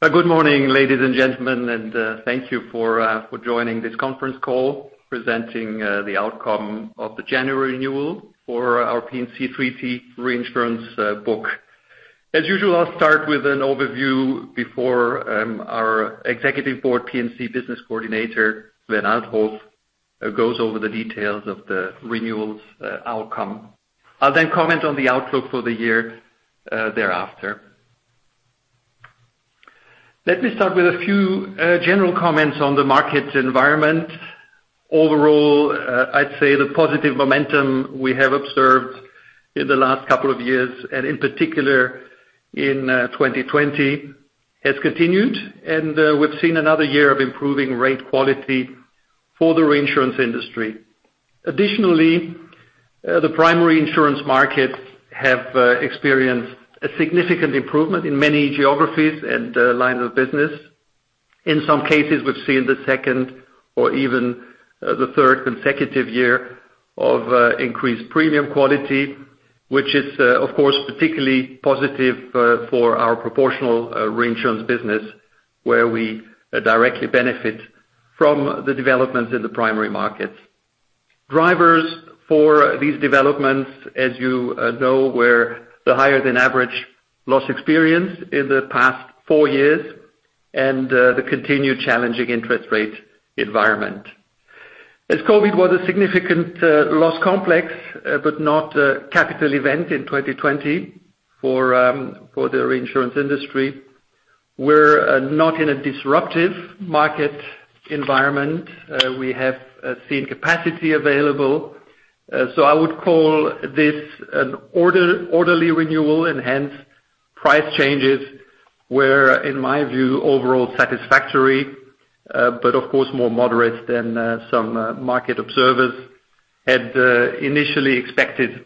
Good morning, ladies and gentlemen, and thank you for joining this conference call, presenting the outcome of the January renewal for our P&C Treaty Reinsurance book. As usual, I'll start with an overview before our Executive Board P&C Business Coordinator, Sven Althoff, goes over the details of the renewal's outcome. I'll then comment on the outlook for the year thereafter. Let me start with a few general comments on the market environment. Overall, I'd say the positive momentum we have observed in the last couple of years, and in particular in 2020, has continued, and we've seen another year of improving rate quality for the reinsurance industry. Additionally, the primary insurance markets have experienced a significant improvement in many geographies and lines of business. In some cases, we've seen the second or even the third consecutive year of increased premium quality, which is, of course, particularly positive for our proportional reinsurance business, where we directly benefit from the developments in the primary markets. Drivers for these developments, as you know, were the higher-than-average loss experience in the past four years and the continued challenging interest rate environment. As COVID was a significant loss complex, but not a capital event in 2020 for the reinsurance industry, we're not in a disruptive market environment. We have seen capacity available. So I would call this an orderly renewal, and hence price changes were, in my view, overall satisfactory, but of course more moderate than some market observers had initially expected.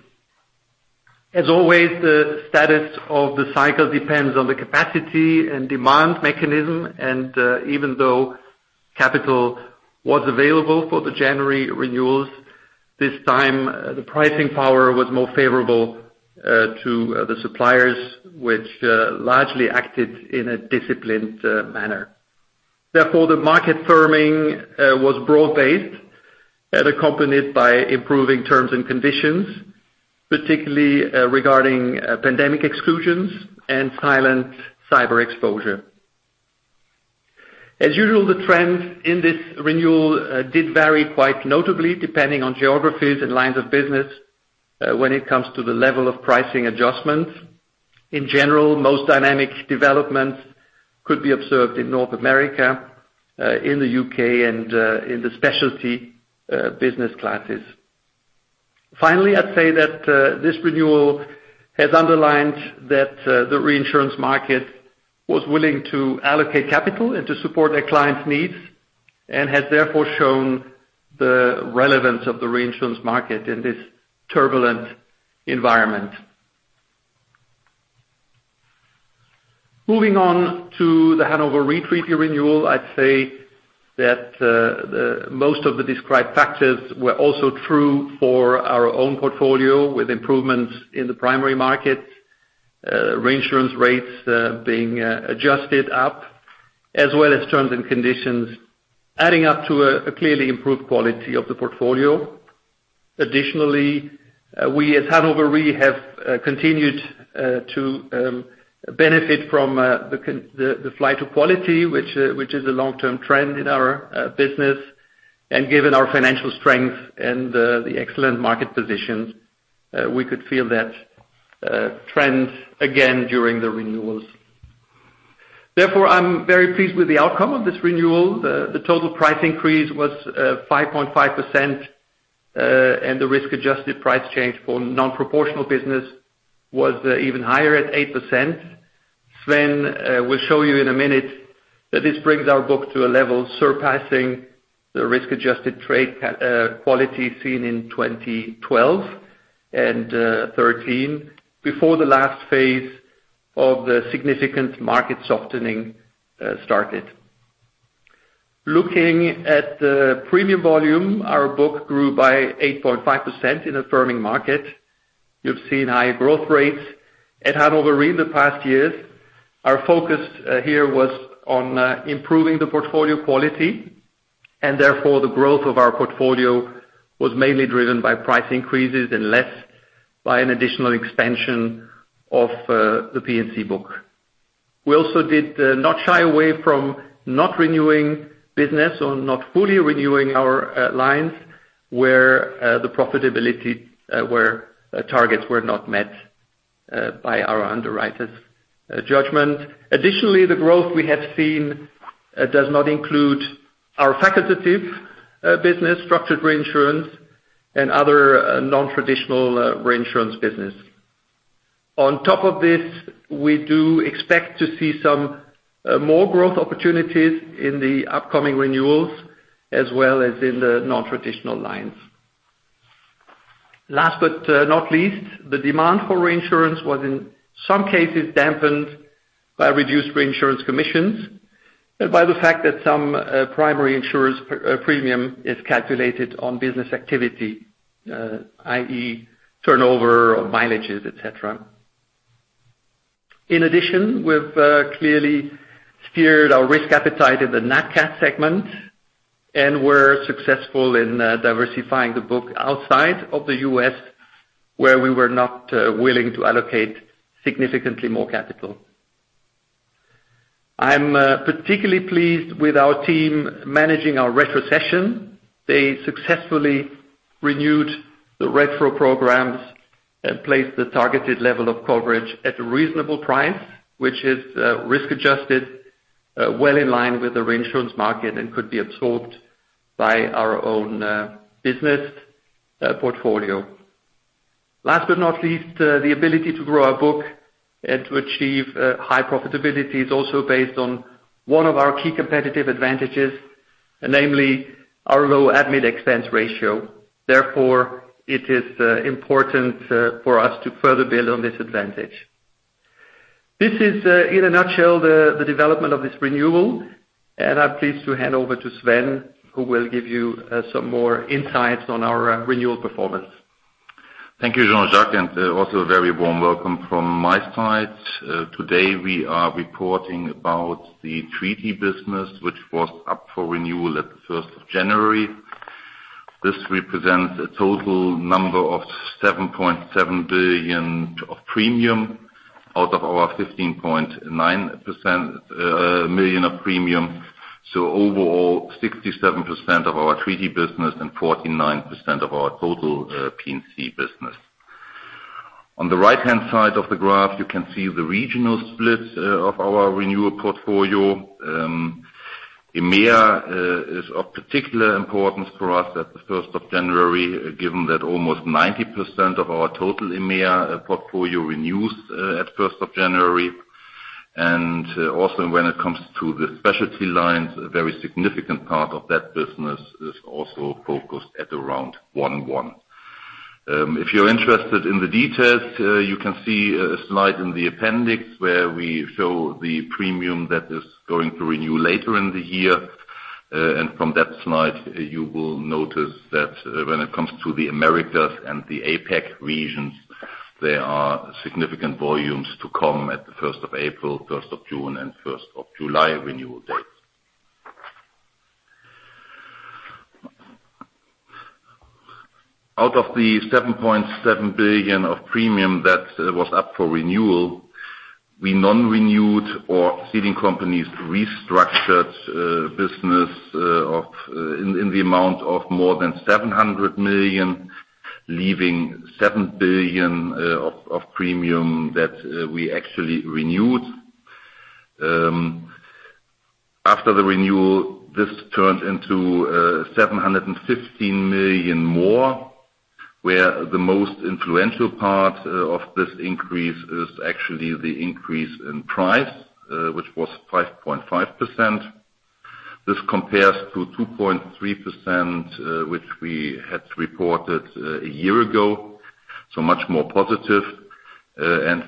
As always, the status of the cycle depends on the capacity and demand mechanism, and even though capital was available for the January renewals, this time the pricing power was more favorable to the suppliers, which largely acted in a disciplined manner. Therefore, the market firming was broad-based and accompanied by improving terms and conditions, particularly regarding pandemic exclusions and silent cyber exposure. As usual, the trends in this renewal did vary quite notably depending on geographies and lines of business when it comes to the level of pricing adjustments. In general, most dynamic developments could be observed in North America, in the UK, and in the specialty business classes. Finally, I'd say that this renewal has underlined that the reinsurance market was willing to allocate capital and to support their clients' needs, and has therefore shown the relevance of the reinsurance market in this turbulent environment. Moving on to the Hannover Re renewal, I'd say that most of the described factors were also true for our own portfolio, with improvements in the primary market, reinsurance rates being adjusted up, as well as terms and conditions adding up to a clearly improved quality of the portfolio. Additionally, we at Hannover Re have continued to benefit from the flight to quality, which is a long-term trend in our business. Given our financial strength and the excellent market position, we could feel that trend again during the renewals. Therefore, I'm very pleased with the outcome of this renewal. The total price increase was 5.5%, and the risk-adjusted price change for non-proportional business was even higher at 8%. Sven will show you in a minute that this brings our book to a level surpassing the risk-adjusted trade quality seen in 2012 and 2013 before the last phase of the significant market softening started. Looking at the premium volume, our book grew by 8.5% in a firming market. You've seen higher growth rates at Hannover Re in the past years. Our focus here was on improving the portfolio quality, and therefore the growth of our portfolio was mainly driven by price increases and less by an additional expansion of the P&C book. We also did not shy away from not renewing business or not fully renewing our lines where the profitability targets were not met by our underwriters' judgment. Additionally, the growth we have seen does not include our facultative business, structured reinsurance, and other non-traditional reinsurance business. On top of this, we do expect to see some more growth opportunities in the upcoming renewals, as well as in the non-traditional lines. Last but not least, the demand for reinsurance was in some cases dampened by reduced reinsurance commissions and by the fact that some primary insurance premium is calculated on business activity, i.e., turnover or mileages, etc. In addition, we've clearly steered our risk appetite in the NatCat segment and were successful in diversifying the book outside of the US, where we were not willing to allocate significantly more capital. I'm particularly pleased with our team managing our retrocession. They successfully renewed the retro programs and placed the targeted level of coverage at a reasonable price, which is risk-adjusted, well in line with the reinsurance market, and could be absorbed by our own business portfolio. Last but not least, the ability to grow our book and to achieve high profitability is also based on one of our key competitive advantages, namely our low admin expense ratio. Therefore, it is important for us to further build on this advantage. This is, in a nutshell, the development of this renewal, and I'm pleased to hand over to Sven, who will give you some more insights on our renewal performance. Thank you, Jean-Jacques, and also a very warm welcome from my side. Today, we are reporting about the treaty business, which was up for renewal at the 1st of January. This represents a total number of 7.7 billion of premium out of our 15.9 million of premium. So overall, 67% of our treaty business and 49% of our total P&C business. On the right-hand side of the graph, you can see the regional split of our renewal portfolio. EMEA is of particular importance for us at the 1st of January, given that almost 90% of our total EMEA portfolio renews at 1st of January. And also, when it comes to the specialty lines, a very significant part of that business is also focused at around 1:1. If you're interested in the details, you can see a slide in the appendix where we show the premium that is going to renew later in the year. From that slide, you will notice that when it comes to the Americas and the APEC regions, there are significant volumes to come at the 1st of April, 1st of June, and 1st of July renewal dates. Out of the 7.7 billion of premium that was up for renewal, we non-renewed or ceding companies restructured business in the amount of more than 700 million, leaving 7 billion of premium that we actually renewed. After the renewal, this turned into 715 million more, where the most influential part of this increase is actually the increase in price, which was 5.5%. This compares to 2.3%, which we had reported a year ago, so much more positive.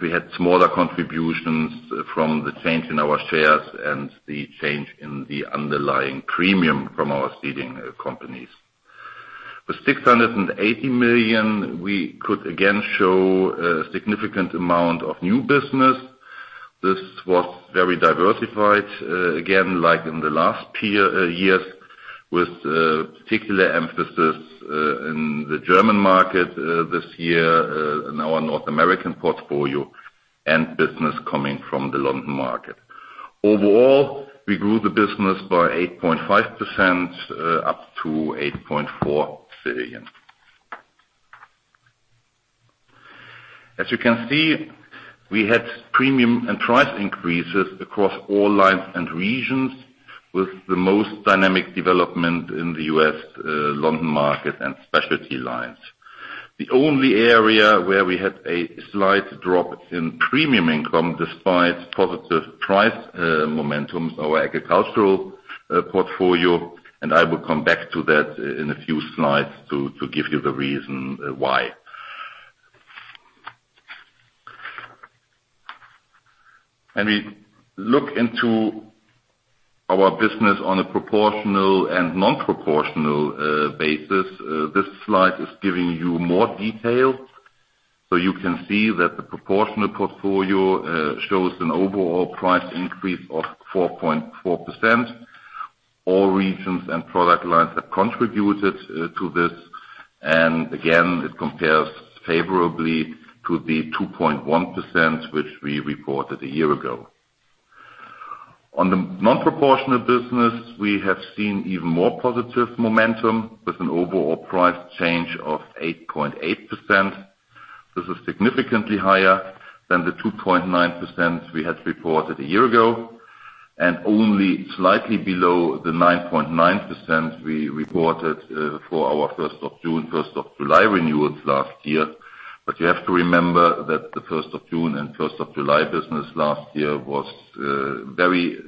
We had smaller contributions from the change in our shares and the change in the underlying premium from our ceding companies. With 680 million, we could again show a significant amount of new business. This was very diversified, again, like in the last years, with particular emphasis in the German market this year and our North American portfolio and business coming from the London market. Overall, we grew the business by 8.5%, up to EUR 8.4 billion. As you can see, we had premium and price increases across all lines and regions, with the most dynamic development in the U.S. London market and specialty lines. The only area where we had a slight drop in premium income, despite positive price momentum, is our agricultural portfolio, and I will come back to that in a few slides to give you the reason why. When we look into our business on a proportional and non-proportional basis, this slide is giving you more detail. So you can see that the proportional portfolio shows an overall price increase of 4.4%. All regions and product lines have contributed to this, and again, it compares favorably to the 2.1%, which we reported a year ago. On the non-proportional business, we have seen even more positive momentum with an overall price change of 8.8%. This is significantly higher than the 2.9% we had reported a year ago, and only slightly below the 9.9% we reported for our 1st of June, 1st of July renewals last year. But you have to remember that the 1st of June and 1st of July business last year was very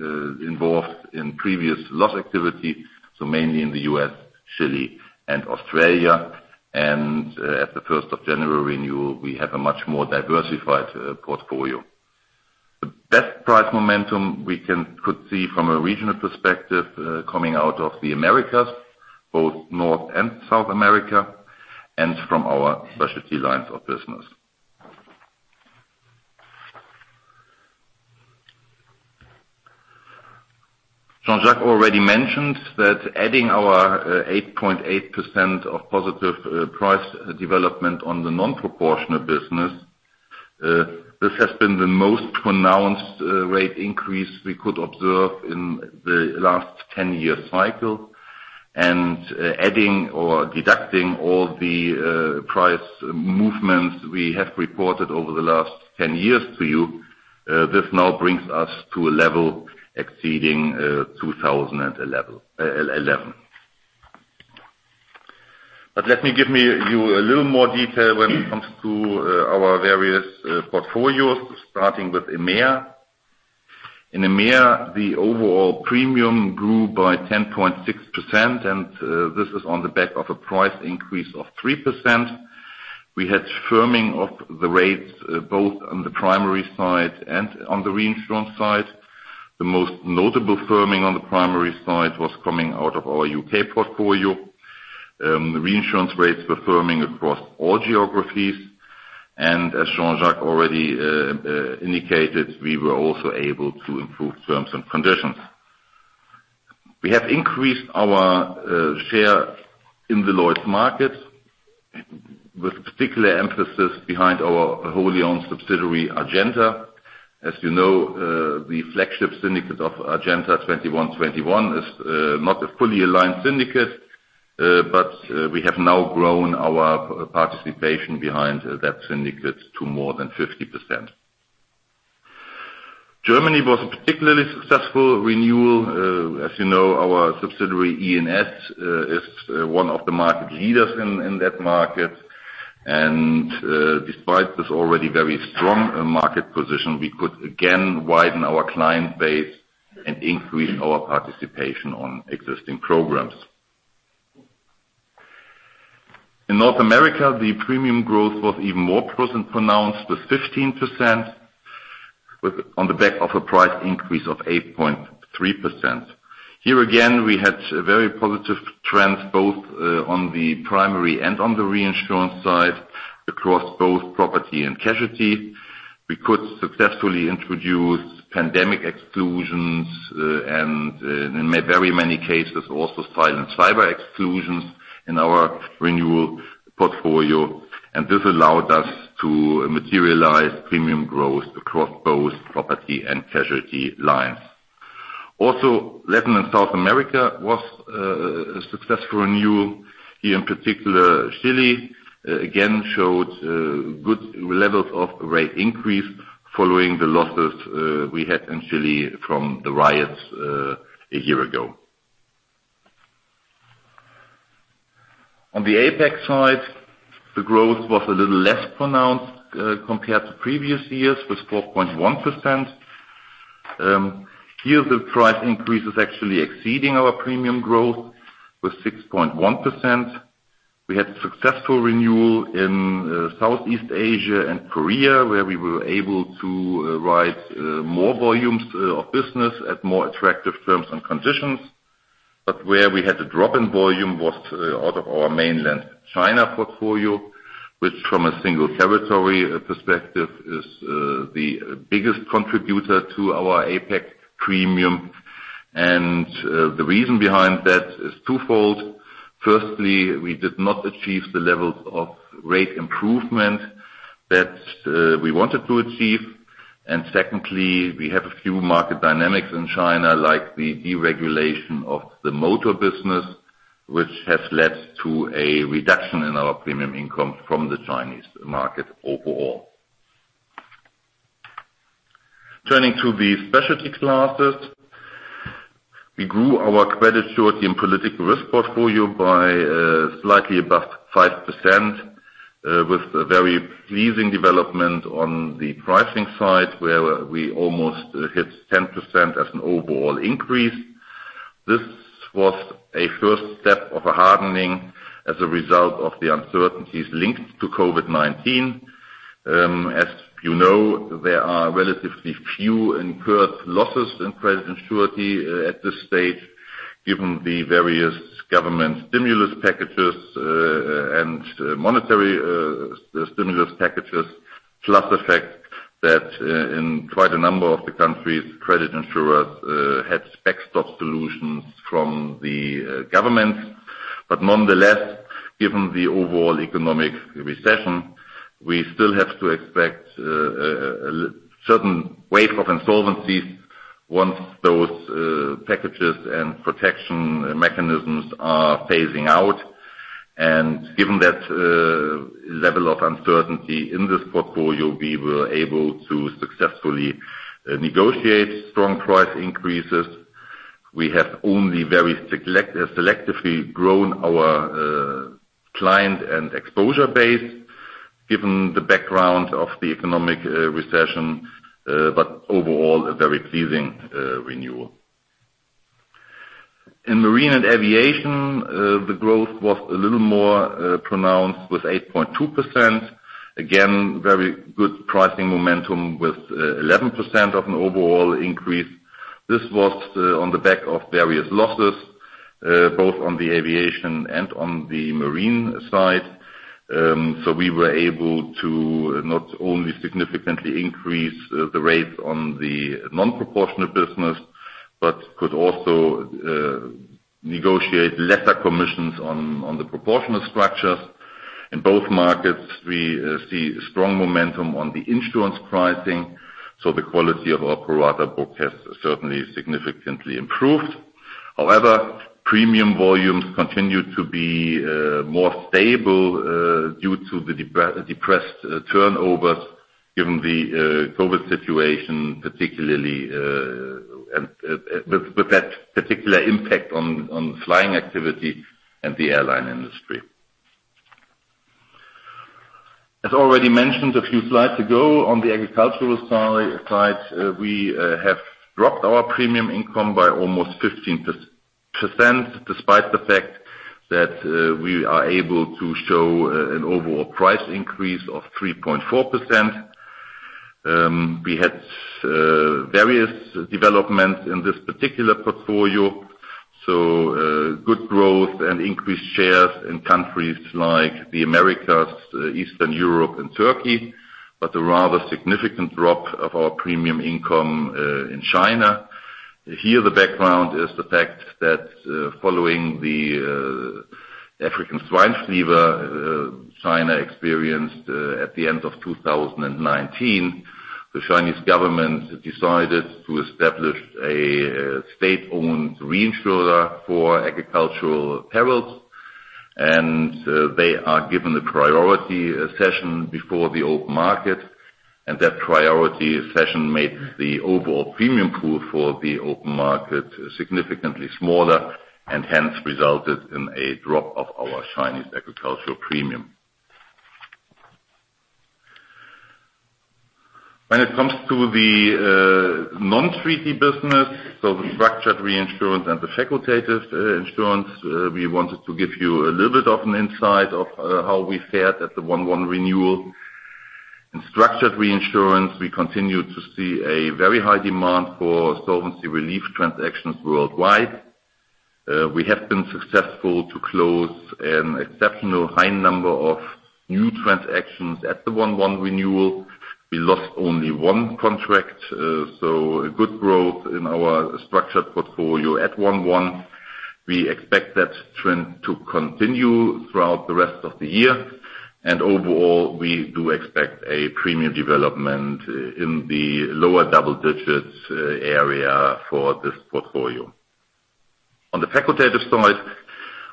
involved in previous loss activity, so mainly in the US, Chile, and Australia. At the 1st of January renewal, we have a much more diversified portfolio. The best price momentum we could see from a regional perspective coming out of the Americas, both North and South America, and from our specialty lines of business. Jean-Jacques already mentioned that adding our 8.8% of positive price development on the non-proportional business, this has been the most pronounced rate increase we could observe in the last 10-year cycle. Adding or deducting all the price movements we have reported over the last 10 years to you, this now brings us to a level exceeding 2011. Let me give you a little more detail when it comes to our various portfolios, starting with EMEA. In EMEA, the overall premium grew by 10.6%, and this is on the back of a price increase of 3%. We had firming of the rates both on the primary side and on the reinsurance side. The most notable firming on the primary side was coming out of our UK portfolio. Reinsurance rates were firming across all geographies, and as Jean-Jacques already indicated, we were also able to improve terms and conditions. We have increased our share in the Lloyd's market with particular emphasis behind our wholly owned subsidiary Argenta. As you know, the flagship syndicate of Argenta 2121 is not a fully aligned syndicate, but we have now grown our participation behind that syndicate to more than 50%. Germany was a particularly successful renewal. As you know, our subsidiary E+S is one of the market leaders in that market. Despite this already very strong market position, we could again widen our client base and increase our participation on existing programs. In North America, the premium growth was even more pronounced, with 15%, on the back of a price increase of 8.3%. Here again, we had very positive trends both on the primary and on the reinsurance side across both property and casualty. We could successfully introduce pandemic exclusions and, in very many cases, also silent cyber exclusions in our renewal portfolio, and this allowed us to materialize premium growth across both property and casualty lines. Also, Latin and South America was a successful renewal. Here, in particular, Chile again showed good levels of rate increase following the losses we had in Chile from the riots a year ago. On the APEC side, the growth was a little less pronounced compared to previous years with 4.1%. Here, the price increase is actually exceeding our premium growth with 6.1%. We had successful renewal in Southeast Asia and Korea, where we were able to write more volumes of business at more attractive terms and conditions. But where we had a drop in volume was out of our mainland China portfolio, which, from a single territory perspective, is the biggest contributor to our APEC premium. And the reason behind that is twofold. Firstly, we did not achieve the levels of rate improvement that we wanted to achieve. And secondly, we have a few market dynamics in China, like the deregulation of the motor business, which has led to a reduction in our premium income from the Chinese market overall. Turning to the specialty classes, we grew our credit surety and political risk portfolio by slightly above 5%, with a very pleasing development on the pricing side, where we almost hit 10% as an overall increase. This was a first step of a hardening as a result of the uncertainties linked to COVID-19. As you know, there are relatively few incurred losses in credit insurance at this stage, given the various government stimulus packages and monetary stimulus packages, plus the fact that in quite a number of the countries, credit insurers had backstop solutions from the government. But nonetheless, given the overall economic recession, we still have to expect a certain wave of insolvencies once those packages and protection mechanisms are phasing out. And given that level of uncertainty in this portfolio, we were able to successfully negotiate strong price increases. We have only very selectively grown our client and exposure base, given the background of the economic recession, but overall, a very pleasing renewal. In marine and aviation, the growth was a little more pronounced with 8.2%. Again, very good pricing momentum with 11% of an overall increase. This was on the back of various losses, both on the aviation and on the marine side. So we were able to not only significantly increase the rates on the non-proportional business, but could also negotiate lesser commissions on the proportional structures. In both markets, we see strong momentum on the insurance pricing, so the quality of our pro rata book has certainly significantly improved. However, premium volumes continue to be more stable due to the depressed turnovers, given the COVID situation, particularly with that particular impact on flying activity and the airline industry. As already mentioned a few slides ago, on the agricultural side, we have dropped our premium income by almost 15%, despite the fact that we are able to show an overall price increase of 3.4%. We had various developments in this particular portfolio, so good growth and increased shares in countries like the Americas, Eastern Europe, and Turkey, but a rather significant drop of our premium income in China. Here, the background is the fact that following the African Swine Fever China experienced at the end of 2019, the Chinese government decided to establish a state-owned reinsurer for agricultural perils, and they are given a priority cession before the open market. That priority cession made the overall premium pool for the open market significantly smaller, and hence resulted in a drop of our Chinese agricultural premium. When it comes to the non-treaty business, so the structured reinsurance and the facultative reinsurance, we wanted to give you a little bit of an insight of how we fared at the 1-1 renewal. In structured reinsurance, we continue to see a very high demand for solvency relief transactions worldwide. We have been successful to close an exceptionally high number of new transactions at the 1-1 renewal. We lost only one contract, so good growth in our structured portfolio at 1-1. We expect that trend to continue throughout the rest of the year, and overall, we do expect a premium development in the lower double-digit area for this portfolio. On the facultative side,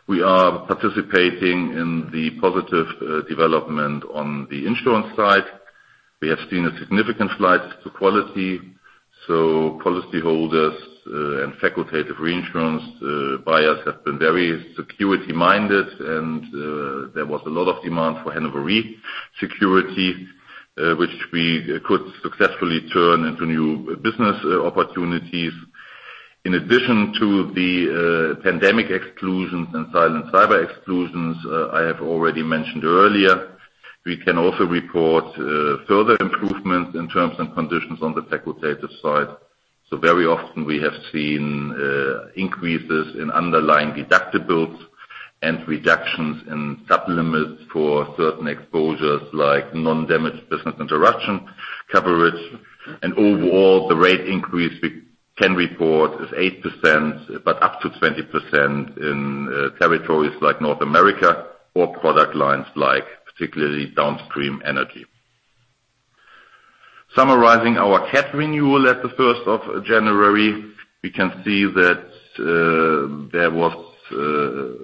we are participating in the positive development on the insurance side. We have seen a significant slide to quality, so policyholders and facultative reinsurance buyers have been very security-minded, and there was a lot of demand for Hannover Re security, which we could successfully turn into new business opportunities. In addition to the pandemic exclusions and silent cyber exclusions I have already mentioned earlier, we can also report further improvements in terms and conditions on the facultative side. So very often, we have seen increases in underlying deductibles and reductions in sub limits for certain exposures like non-damage business interruption coverage. Overall, the rate increase we can report is 8%, but up to 20% in territories like North America or product lines like particularly downstream energy. Summarizing our CAT renewal at the 1st of January, we can see that there was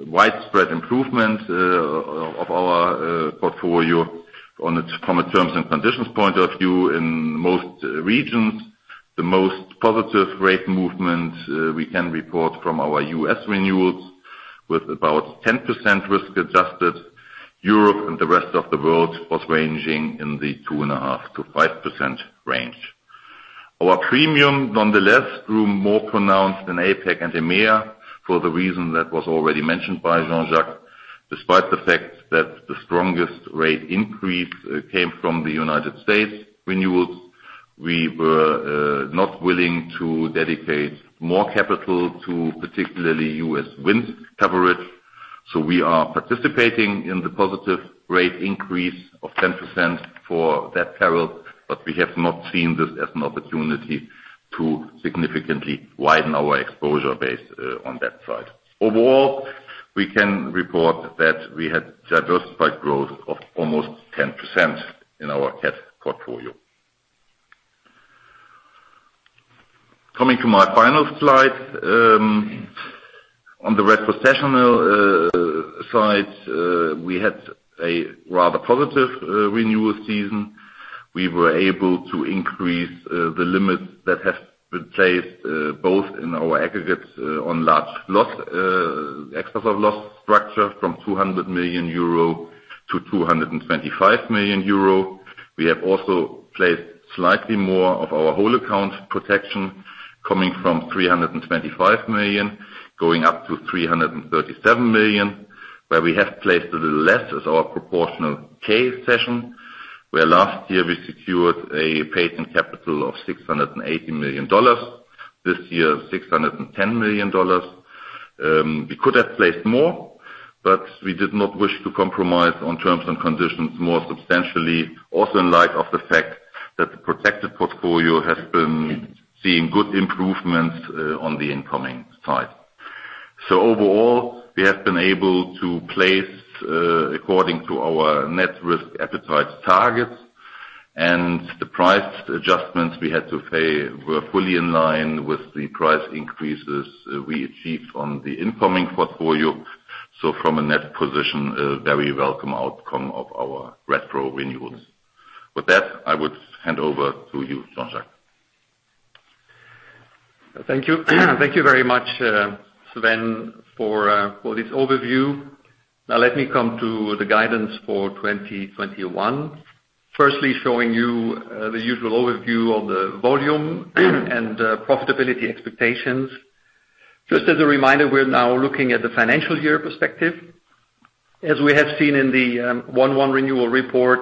widespread improvement of our portfolio from a terms and conditions point of view in most regions. The most positive rate movement we can report from our U.S. renewals with about 10% risk adjusted. Europe and the rest of the world was ranging in the 2.5%-5% range. Our premium, nonetheless, grew more pronounced in APEC and EMEA for the reason that was already mentioned by Jean-Jacques. Despite the fact that the strongest rate increase came from the United States renewals, we were not willing to dedicate more capital to particularly US wind coverage. So we are participating in the positive rate increase of 10% for that peril, but we have not seen this as an opportunity to significantly widen our exposure base on that side. Overall, we can report that we had diversified growth of almost 10% in our CAT portfolio. Coming to my final slide, on the retrocessional side, we had a rather positive renewal season. We were able to increase the limits that have been placed both in our aggregates on large loss excess of loss structure from 200 million euro to 225 million euro. We have also placed slightly more of our whole account protection coming from 325 million going up to 337 million, where we have placed a little less as our proportional K-Cession, where last year we secured a paid-in capital of $680 million, this year $610 million. We could have placed more, but we did not wish to compromise on terms and conditions more substantially, also in light of the fact that the protected portfolio has been seeing good improvements on the incoming side. So overall, we have been able to place according to our net risk appetite targets, and the price adjustments we had to pay were fully in line with the price increases we achieved on the incoming portfolio. So from a net position, a very welcome outcome of our retro renewals. With that, I would hand over to you, Jean-Jacques. Thank you. Thank you very much, Sven, for this overview. Now let me come to the guidance for 2021, firstly showing you the usual overview of the volume and profitability expectations. Just as a reminder, we're now looking at the financial year perspective. As we have seen in the 1-1 renewal report,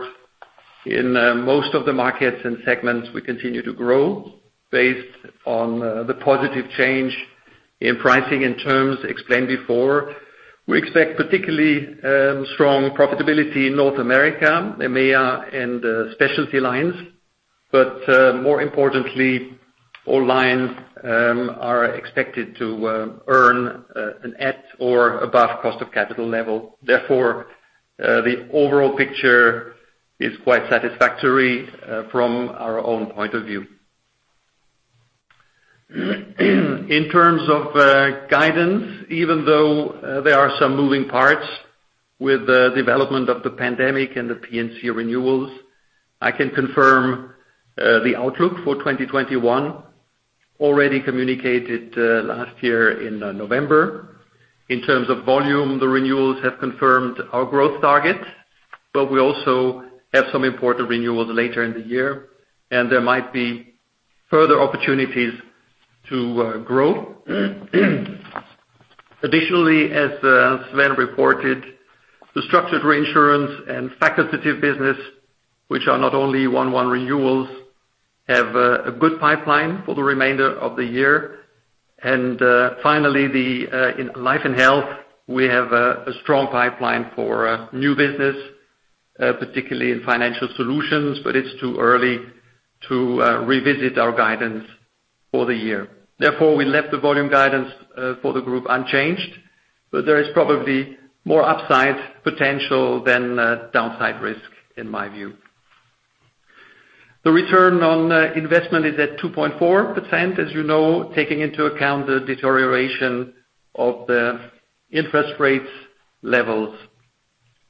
in most of the markets and segments, we continue to grow based on the positive change in pricing and terms explained before. We expect particularly strong profitability in North America, EMEA, and specialty lines, but more importantly, all lines are expected to earn an at or above cost of capital level. Therefore, the overall picture is quite satisfactory from our own point of view. In terms of guidance, even though there are some moving parts with the development of the pandemic and the P&C renewals, I can confirm the outlook for 2021, already communicated last year in November. In terms of volume, the renewals have confirmed our growth target, but we also have some important renewals later in the year, and there might be further opportunities to grow. Additionally, as Sven reported, the structured reinsurance and facultative business, which are not only 1-1 renewals, have a good pipeline for the remainder of the year. Finally, in life and health, we have a strong pipeline for new business, particularly in financial solutions, but it's too early to revisit our guidance for the year. Therefore, we left the volume guidance for the group unchanged, but there is probably more upside potential than downside risk, in my view. The return on investment is at 2.4%, as you know, taking into account the deterioration of the interest rate levels.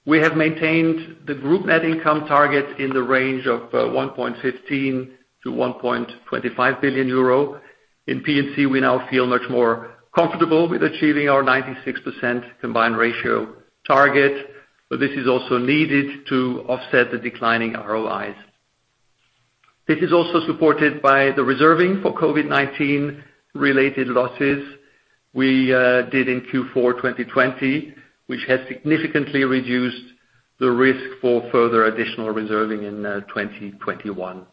We have maintained the group net income target in the range of 1.15 billion-1.25 billion euro. In P&C, we now feel much more comfortable with achieving our 96% combined ratio target, but this is also needed to offset the declining ROIs. This is also supported by the reserving for COVID-19-related losses we did in Q4 2020, which has significantly reduced the risk for further additional reserving in 2021.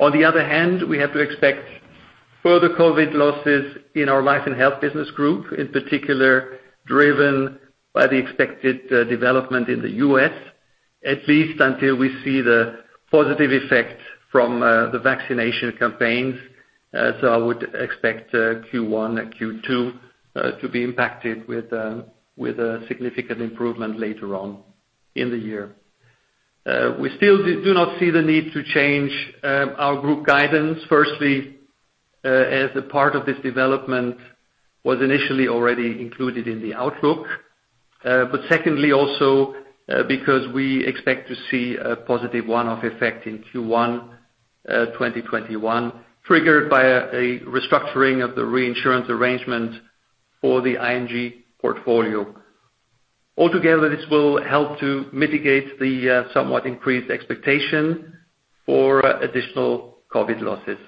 On the other hand, we have to expect further COVID losses in our life and health business group, in particular driven by the expected development in the U.S., at least until we see the positive effect from the vaccination campaigns. So I would expect Q1 and Q2 to be impacted with a significant improvement later on in the year. We still do not see the need to change our group guidance, firstly as a part of this development was initially already included in the outlook, but secondly also because we expect to see a positive one-off effect in Q1 2021, triggered by a restructuring of the reinsurance arrangement for the ING portfolio. Altogether, this will help to mitigate the somewhat increased expectation for additional COVID losses.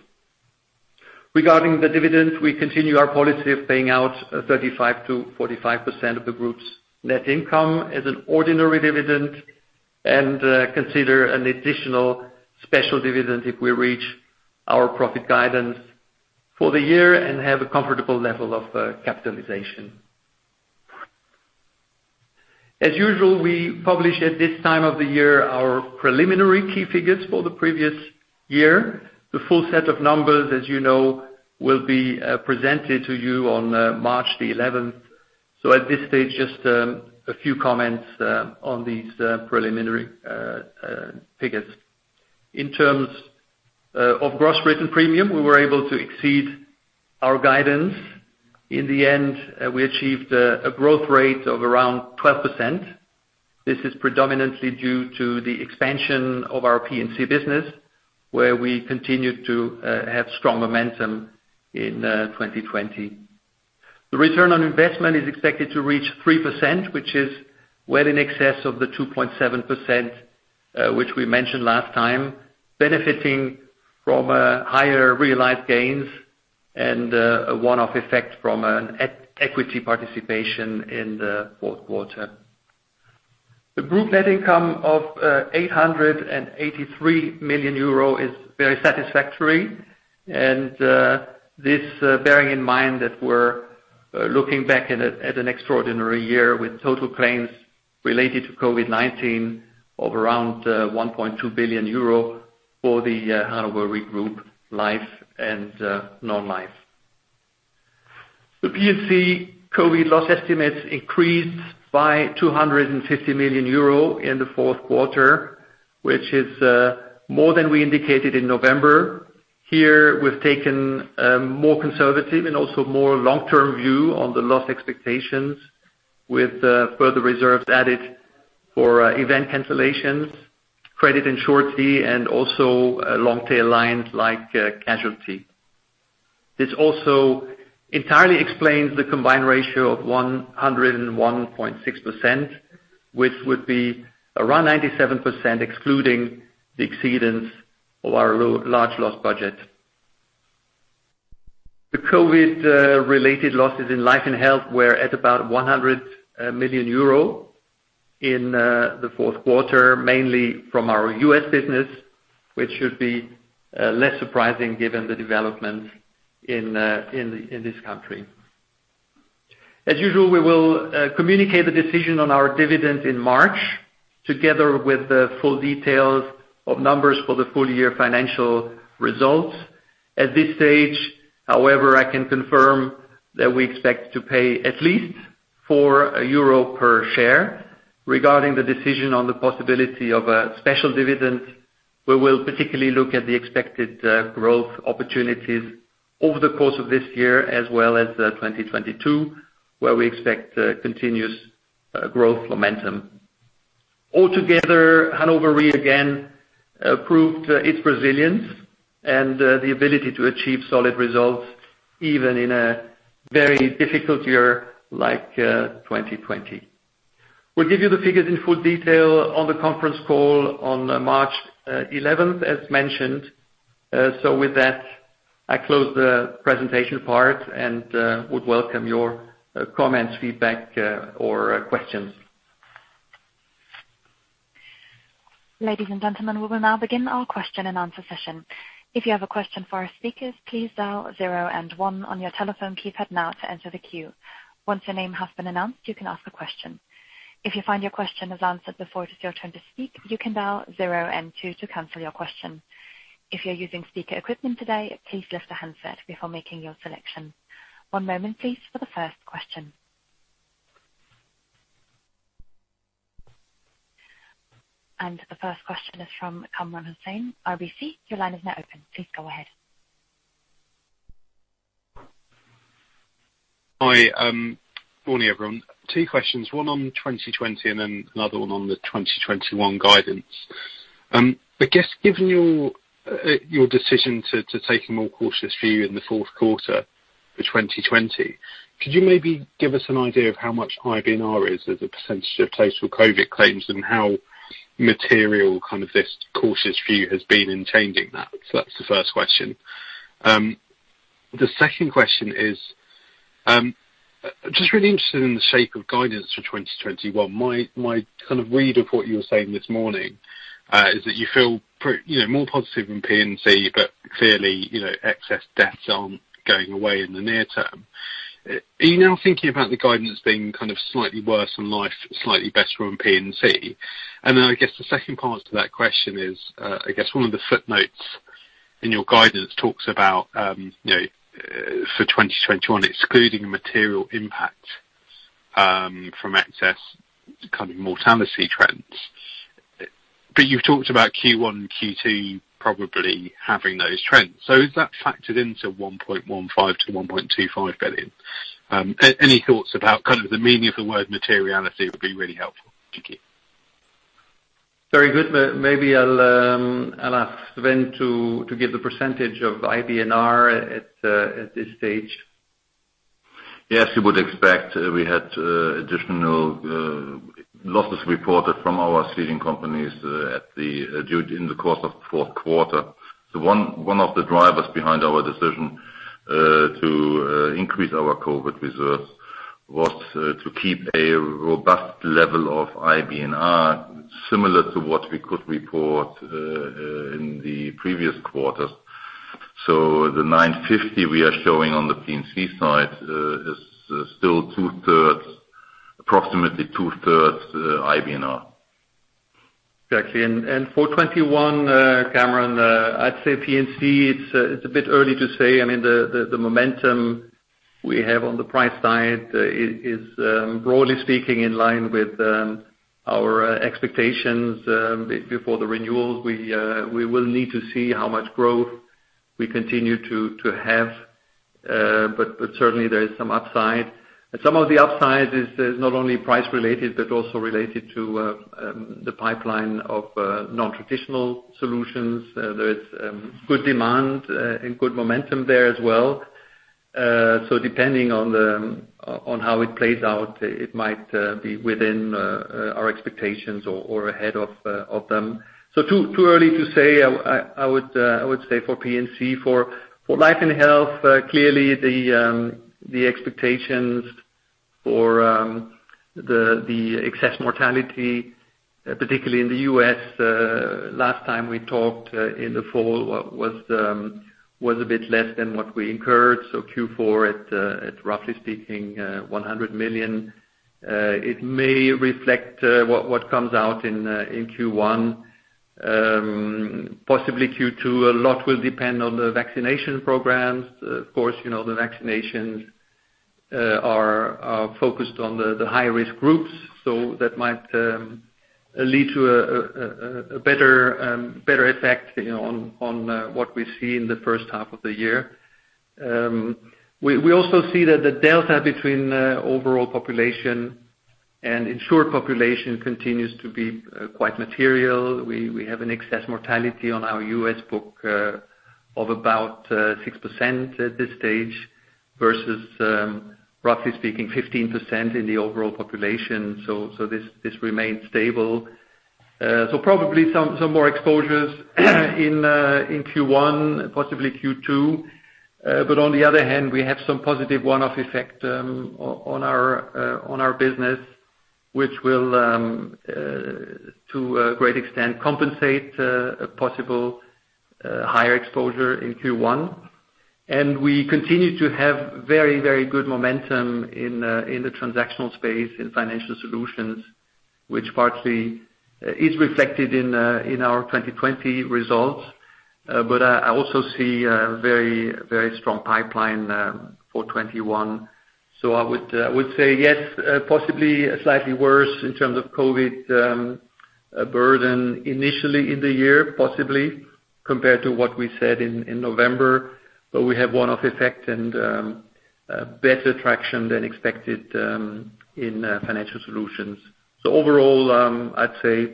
Regarding the dividend, we continue our policy of paying out 35%-45% of the group's net income as an ordinary dividend and consider an additional special dividend if we reach our profit guidance for the year and have a comfortable level of capitalization. As usual, we publish at this time of the year our preliminary key figures for the previous year. The full set of numbers, as you know, will be presented to you on March 11th. At this stage, just a few comments on these preliminary figures. In terms of gross written premium, we were able to exceed our guidance. In the end, we achieved a growth rate of around 12%. This is predominantly due to the expansion of our P&C business, where we continued to have strong momentum in 2020. The return on investment is expected to reach 3%, which is well in excess of the 2.7% which we mentioned last time, benefiting from higher realized gains and a one-off effect from equity participation in the fourth quarter. The group net income of 883 million euro is very satisfactory, and this, bearing in mind that we're looking back at an extraordinary year with total claims related to COVID-19 of around 1.2 billion euro for the Hannover Re Group, life and non-life. The P&C COVID loss estimates increased by 250 million euro in the fourth quarter, which is more than we indicated in November. Here, we've taken a more conservative and also more long-term view on the loss expectations with further reserves added for event cancellations, credit insurance, and also long-tail lines like casualty. This also entirely explains the combined ratio of 101.6%, which would be around 97% excluding the exceedance of our large loss budget. The COVID-related losses in life and health were at about 100 million euro in the fourth quarter, mainly from our U.S. business, which should be less surprising given the developments in this country. As usual, we will communicate the decision on our dividends in March together with the full details of numbers for the full-year financial results. At this stage, however, I can confirm that we expect to pay at least 4 euro per share. Regarding the decision on the possibility of a special dividend, we will particularly look at the expected growth opportunities over the course of this year as well as 2022, where we expect continuous growth momentum. Altogether, Hannover Re again proved its resilience and the ability to achieve solid results even in a very difficult year like 2020. We'll give you the figures in full detail on the conference call on March 11th, as mentioned. So with that, I close the presentation part and would welcome your comments, feedback, or questions. Ladies and gentlemen, we will now begin our question and answer cession. If you have a question for our speakers, please dial 0 and 1 on your telephone keypad now to enter the queue. Once your name has been announced, you can ask a question. If you find your question is answered before it is your turn to speak, you can dial 0 and 2 to cancel your question. If you're using speaker equipment today, please lift a handset before making your selection. One moment, please, for the first question. And the first question is from Kamran Hossain, RBC. Your line is now open. Please go ahead. Hi. Morning, everyone. Two questions. One on 2020 and then another one on the 2021 guidance. I guess, given your decision to take a more cautious view in the fourth quarter for 2020, could you maybe give us an idea of how much IBNR is as a percentage of total COVID claims and how material kind of this cautious view has been in changing that? So that's the first question. The second question is, I'm just really interested in the shape of guidance for 2021. My kind of read of what you were saying this morning is that you feel more positive in P&C, but clearly excess deaths aren't going away in the near term. Are you now thinking about the guidance being kind of slightly worse in life, slightly better in P&C? And then I guess the second part to that question is, I guess one of the footnotes in your guidance talks about for 2021 excluding material impact from excess kind of mortality trends. But you've talked about Q1 and Q2 probably having those trends. So is that factored into 1.15 billion-1.25 billion? Any thoughts about kind of the meaning of the word materiality would be really helpful to keep. Very good. Maybe I'll ask Sven to give the percentage of IBNR at this stage. Yes, we would expect we had additional losses reported from our ceding companies in the course of the fourth quarter. So one of the drivers behind our decision to increase our COVID reserves was to keep a robust level of IBNR similar to what we could report in the previous quarters. So the 950 we are showing on the P&C side is still approximately 2/3 IBNR. Exactly. And for 2021, Kamran, I'd say P&C, it's a bit early to say. I mean, the momentum we have on the price side is, broadly speaking, in line with our expectations before the renewals. We will need to see how much growth we continue to have, but certainly there is some upside. And some of the upside is not only price-related but also related to the pipeline of non-traditional solutions. There is good demand and good momentum there as well. So depending on how it plays out, it might be within our expectations or ahead of them. So too early to say, I would say for P&C, for life and health, clearly the expectations for the excess mortality, particularly in the US, last time we talked in the fall, was a bit less than what we incurred. So Q4, roughly speaking, 100 million. It may reflect what comes out in Q1. Possibly Q2, a lot will depend on the vaccination programs. Of course, the vaccinations are focused on the high-risk groups, so that might lead to a better effect on what we see in the first half of the year. We also see that the delta between overall population and insured population continues to be quite material. We have an excess mortality on our US book of about 6% at this stage versus, roughly speaking, 15% in the overall population. So this remains stable. So probably some more exposures in Q1, possibly Q2. But on the other hand, we have some positive one-off effect on our business, which will, to a great extent, compensate a possible higher exposure in Q1. And we continue to have very, very good momentum in the transactional space in financial solutions, which partly is reflected in our 2020 results. But I also see a very, very strong pipeline for 2021. So I would say, yes, possibly slightly worse in terms of COVID burden initially in the year, possibly, compared to what we said in November. But we have one-off effect and better traction than expected in financial solutions. So overall, I'd say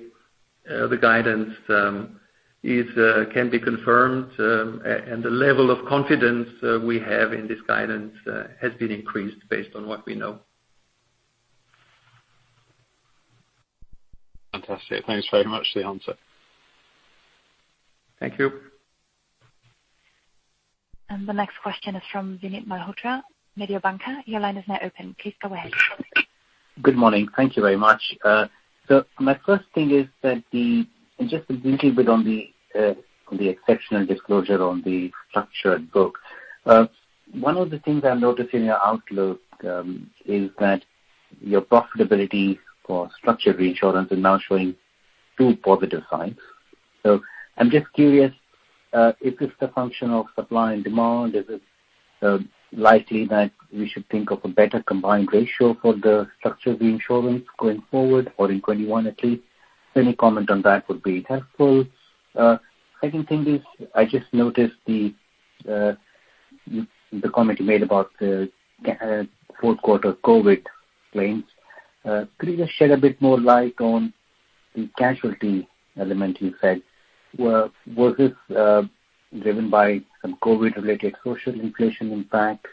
the guidance can be confirmed, and the level of confidence we have in this guidance has been increased based on what we know. Fantastic. Thanks very much for the answer. Thank you. The next question is from Vinit Malhotra, Mediobanca. Your line is now open. Please go ahead. Good morning. Thank you very much. So my first thing is that just a little bit on the exceptional disclosure on the structured book. One of the things I'm noticing in your outlook is that your profitability for structured reinsurance is now showing 2 positive signs. So I'm just curious, is this a function of supply and demand? Is it likely that we should think of a better combined ratio for the structured reinsurance going forward or in 21 at least? Any comment on that would be helpful. Second thing is, I just noticed the comment you made about the fourth quarter COVID claims. Could you just shed a bit more light on the casualty element you said? Was this driven by some COVID-related social inflation impact?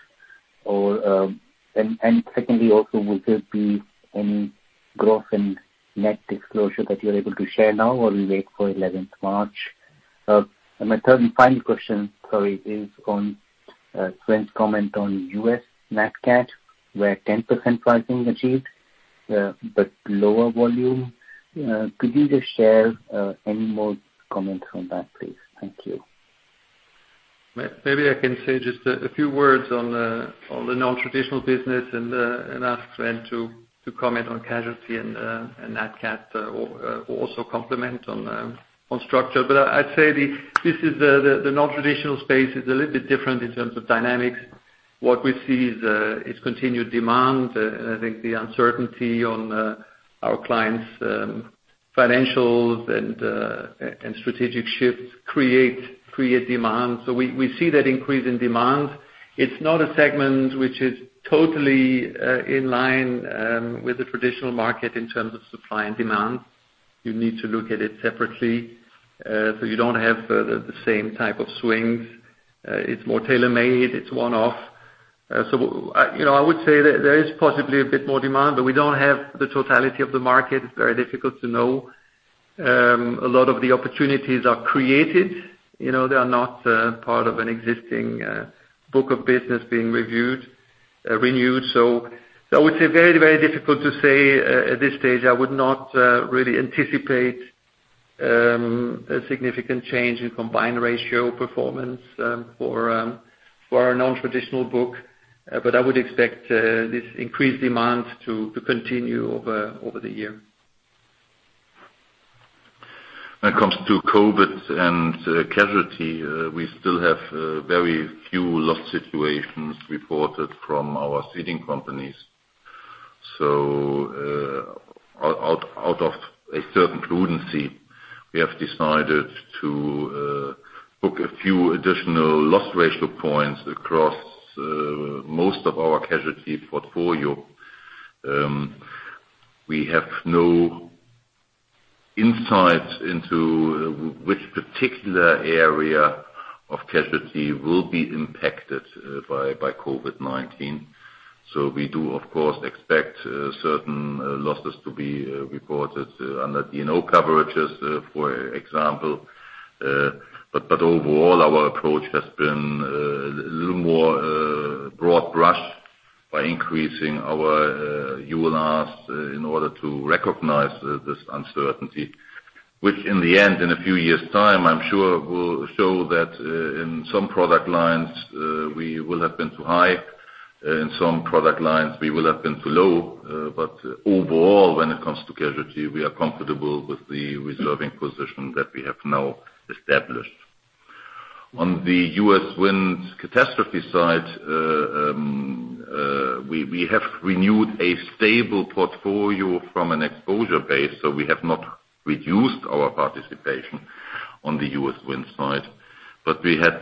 And secondly, also, would there be any growth in net disclosure that you're able to share now, or we wait for 11th March? And my third and final question, sorry, is on Sven's comment on US NatCat, where 10% pricing achieved but lower volume. Could you just share any more comments on that, please? Thank you. Maybe I can say just a few words on the non-traditional business and ask Sven to comment on casualty and NatCat or also comment on structure. But I'd say this is the non-traditional space is a little bit different in terms of dynamics. What we see is continued demand, and I think the uncertainty on our clients' financials and strategic shifts create demand. So we see that increase in demand. It's not a segment which is totally in line with the traditional market in terms of supply and demand. You need to look at it separately. So you don't have the same type of swings. It's more tailor-made. It's one-off. So I would say that there is possibly a bit more demand, but we don't have the totality of the market. It's very difficult to know. A lot of the opportunities are created. They are not part of an existing book of business being renewed. So I would say very, very difficult to say at this stage. I would not really anticipate a significant change in combined ratio performance for our non-traditional book, but I would expect this increased demand to continue over the year. When it comes to COVID and casualty, we still have very few loss situations reported from our ceding companies. So out of a certain prudence, we have decided to book a few additional loss ratio points across most of our casualty portfolio. We have no insight into which particular area of casualty will be impacted by COVID-19. So we do, of course, expect certain losses to be reported under D&O coverages, for example. But overall, our approach has been a little more broad brush by increasing our ULRs in order to recognize this uncertainty, which in the end, in a few years' time, I'm sure will show that in some product lines, we will have been too high. In some product lines, we will have been too low. But overall, when it comes to casualty, we are comfortable with the reserving position that we have now established. On the U.S. wind catastrophe side, we have renewed a stable portfolio from an exposure base. So we have not reduced our participation on the US wind side, but we had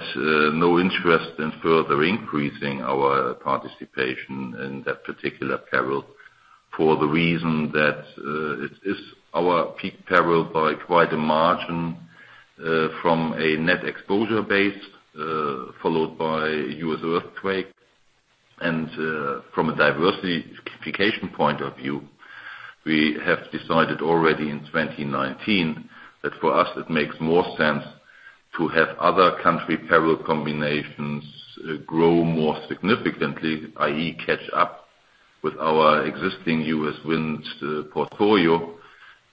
no interest in further increasing our participation in that particular peril for the reason that it is our peak peril by quite a margin from a net exposure base followed by US earthquake. And from a diversification point of view, we have decided already in 2019 that for us, it makes more sense to have other country peril combinations grow more significantly, i.e., catch up with our existing US wind portfolio.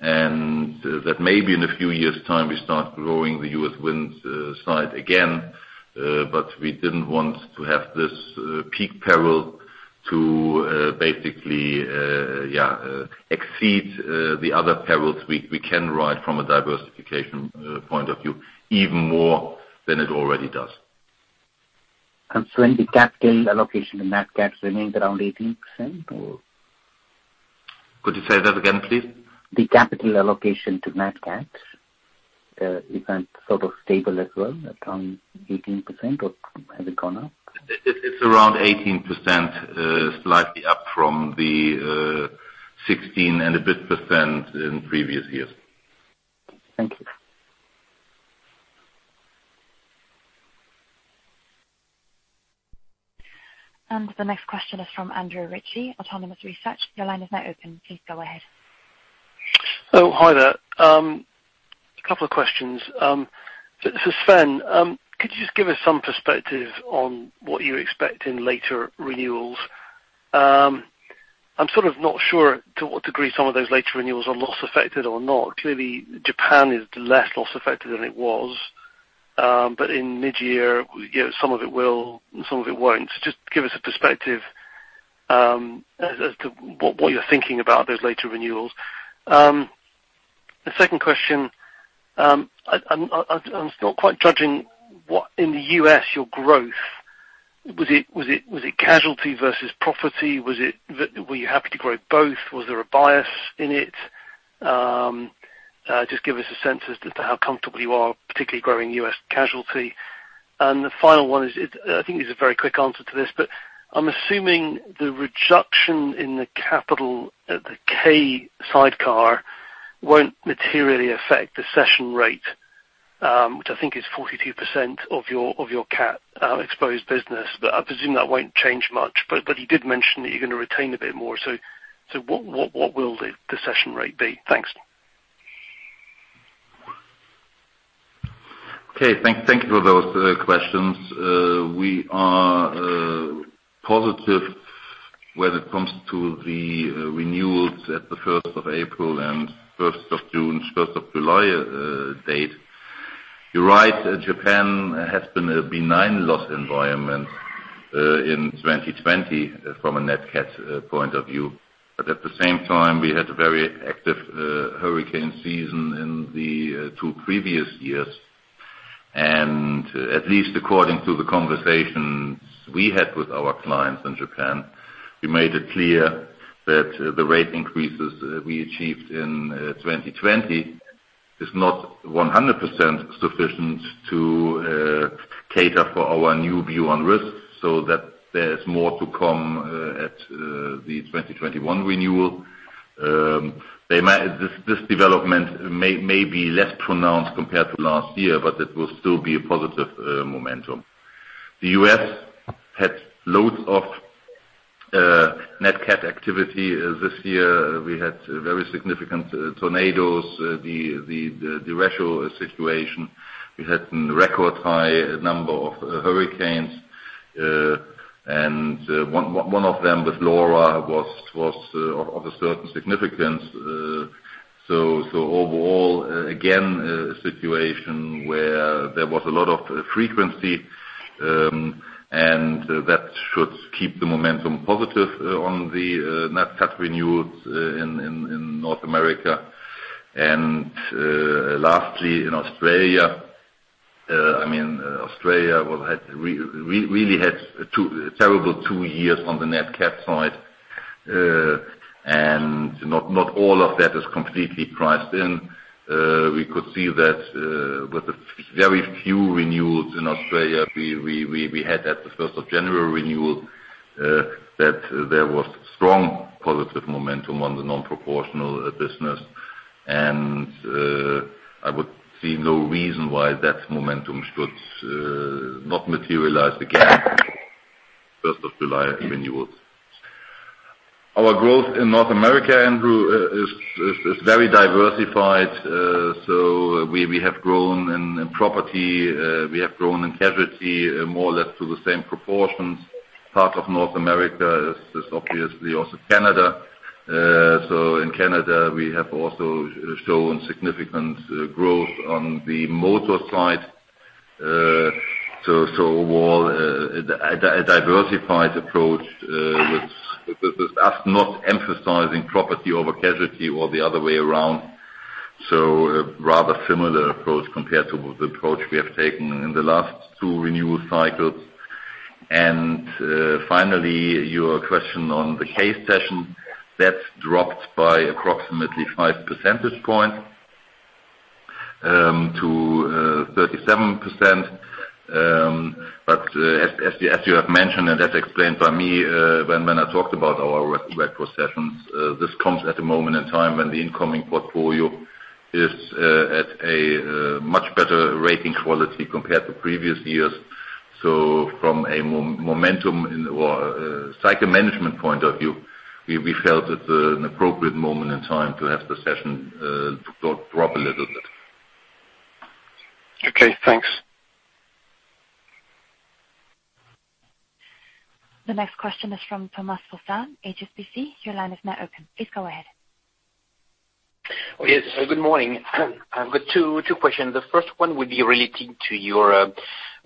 And that maybe in a few years' time, we start growing the US wind side again. But we didn't want to have this peak peril to basically exceed the other perils we can ride from a diversification point of view even more than it already does. And Sven, the capital allocation to NAFCAT remains around 18% or? Could you say that again, please? The capital allocation to NatCat, is that sort of stable as well at around 18% or has it gone up? It's around 18%, slightly up from the 16 and a bit% in previous years. Thank you. And the next question is from Andrew Ritchie, Autonomous Research. Your line is now open. Please go ahead. Oh, hi there. A couple of questions. For Sven, could you just give us some perspective on what you expect in later renewals? I'm sort of not sure to what degree some of those later renewals are loss-affected or not. Clearly, Japan is less loss-affected than it was, but in mid-year, some of it will, some of it won't. So just give us a perspective as to what you're thinking about those later renewals. The second question, I'm still quite judging in the US, your growth, was it casualty versus property? Were you happy to grow both? Was there a bias in it? Just give us a sense as to how comfortable you are, particularly growing U.S. casualty. And the final one is, I think there's a very quick answer to this, but I'm assuming the reduction in the capital at the K-Cession won't materially affect the cession rate, which I think is 42% of your CAT exposed business. But I presume that won't change much. But you did mention that you're going to retain a bit more. So what will the cession rate be? Thanks. Okay. Thank you for those questions. We are positive when it comes to the renewals at the 1st of April and 1st of June, 1st of July date. You're right, Japan has been a benign loss environment in 2020 from a NatCat point of view. But at the same time, we had a very active hurricane season in the two previous years. And at least according to the conversations we had with our clients in Japan, we made it clear that the rate increases we achieved in 2020 is not 100% sufficient to cater for our new view on risk. So there is more to come at the 2021 renewal. This development may be less pronounced compared to last year, but it will still be a positive momentum. The U.S. had loads of NatCat activity this year. We had very significant tornadoes, the retro situation. We had a record high number of hurricanes, and one of them with Laura was of a certain significance. So overall, again, a situation where there was a lot of frequency, and that should keep the momentum positive on the NatCat renewals in North America. Lastly, in Australia, I mean, Australia really had two terrible years on the NatCat side. Not all of that is completely priced in. We could see that with very few renewals in Australia. We had at the 1st of January renewal that there was strong positive momentum on the non-proportional business. I would see no reason why that momentum should not materialize again on the 1st of July renewals. Our growth in North America, Andrew, is very diversified. So we have grown in property. We have grown in casualty more or less to the same proportions. Part of North America is obviously also Canada. So in Canada, we have also shown significant growth on the motor side. So overall, a diversified approach with us not emphasizing property over casualty or the other way around. So a rather similar approach compared to the approach we have taken in the last two renewal cycles. And finally, your question on the K-Cession, that dropped by approximately 5 percentage points to 37%. But as you have mentioned and as explained by me when I talked about our retrocessions, this comes at a moment in time when the incoming portfolio is at a much better rating quality compared to previous years. So from a momentum or cycle management point of view, we felt it's an appropriate moment in time to have the session drop a little bit. Okay. Thanks. The next question is from Thomas Fossard, HSBC. Your line is now open. Please go ahead. Oh, yes. So good morning. I've got two questions. The first one would be relating to your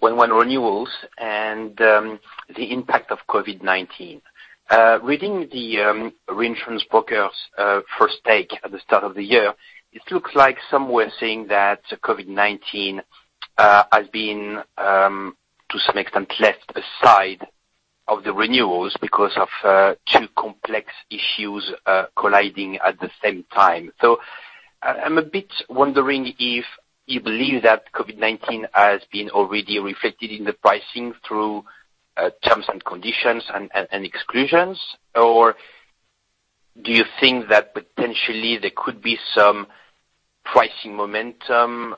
one-to-one renewals and the impact of COVID-19. Reading the reinsurance brokers' first take at the start of the year, it looks like some were saying that COVID-19 has been, to some extent, left aside of the renewals because of two complex issues colliding at the same time. So I'm a bit wondering if you believe that COVID-19 has been already reflected in the pricing through terms and conditions and exclusions, or do you think that potentially there could be some pricing momentum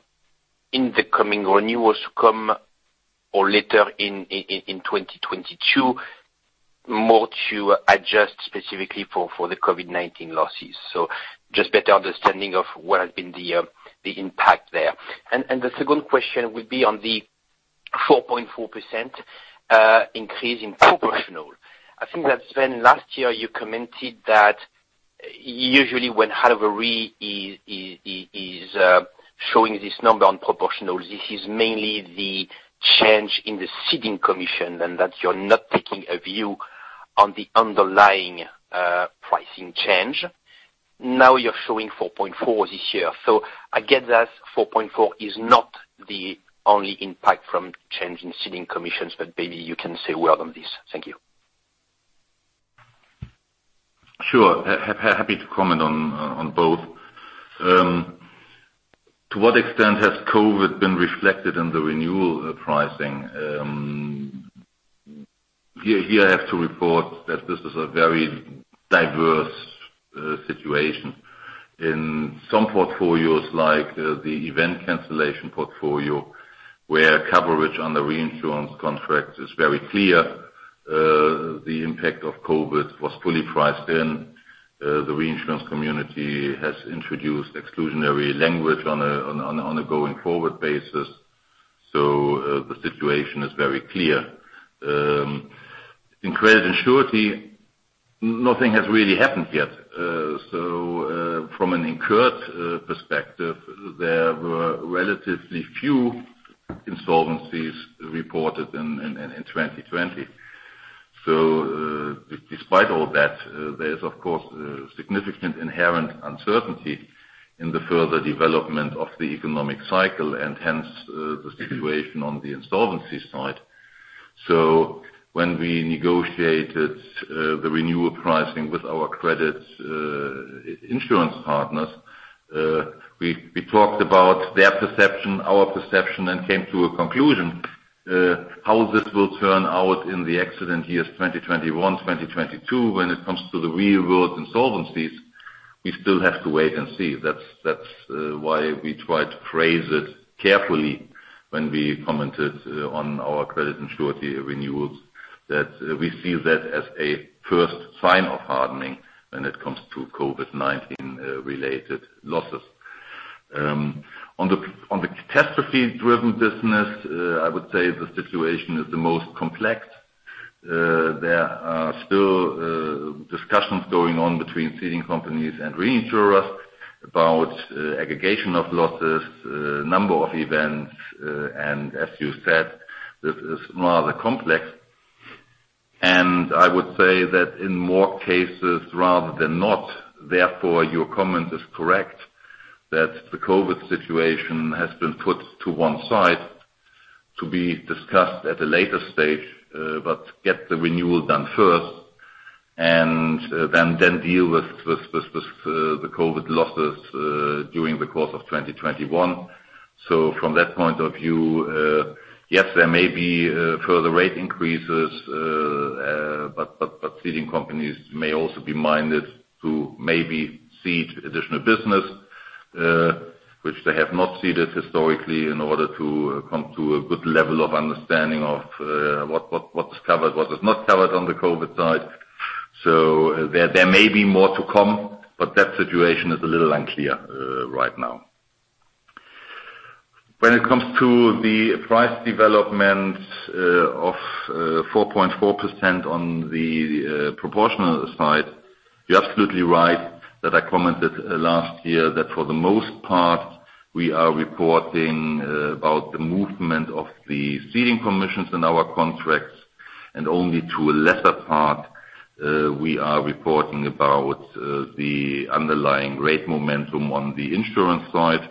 in the coming renewals to come or later in 2022, more to adjust specifically for the COVID-19 losses? So just better understanding of what has been the impact there. And the second question would be on the 4.4% increase in proportional. I think that, Sven, last year you commented that usually when Hannover is showing this number on proportional, this is mainly the change in the ceding commission and that you're not taking a view on the underlying pricing change. Now you're showing 4.4 this year. So I get that 4.4 is not the only impact from changing ceding commissions, but maybe you can say a word on this. Thank you. Sure. Happy to comment on both. To what extent has COVID been reflected in the renewal pricing? Here I have to report that this is a very diverse situation. In some portfolios, like the event cancellation portfolio, where coverage under reinsurance contracts is very clear, the impact of COVID was fully priced in. The reinsurance community has introduced exclusionary language on a going-forward basis. So the situation is very clear. In credit insurance, nothing has really happened yet. So from an incurred perspective, there were relatively few insolvencies reported in 2020. So despite all that, there is, of course, significant inherent uncertainty in the further development of the economic cycle and hence the situation on the insolvency side. So when we negotiated the renewal pricing with our credit insurance partners, we talked about their perception, our perception, and came to a conclusion how this will turn out in the excellent years 2021, 2022. When it comes to the real-world insolvencies, we still have to wait and see. That's why we tried to phrase it carefully when we commented on our credit insurance renewals, that we see that as a first sign of hardening when it comes to COVID-19-related losses. On the catastrophe-driven business, I would say the situation is the most complex. There are still discussions going on between ceding companies and reinsurers about aggregation of losses, number of events, and as you said, this is rather complex. And I would say that in more cases rather than not, therefore your comment is correct, that the COVID situation has been put to one side to be discussed at a later stage, but get the renewal done first and then deal with the COVID losses during the course of 2021. So from that point of view, yes, there may be further rate increases, but ceding companies may also be minded to maybe cede additional business, which they have not ceded historically in order to come to a good level of understanding of what was covered, what was not covered on the COVID side. So there may be more to come, but that situation is a little unclear right now. When it comes to the price development of 4.4% on the proportional side, you're absolutely right that I commented last year that for the most part, we are reporting about the movement of the ceding commissions in our contracts, and only to a lesser part, we are reporting about the underlying rate momentum on the insurance side.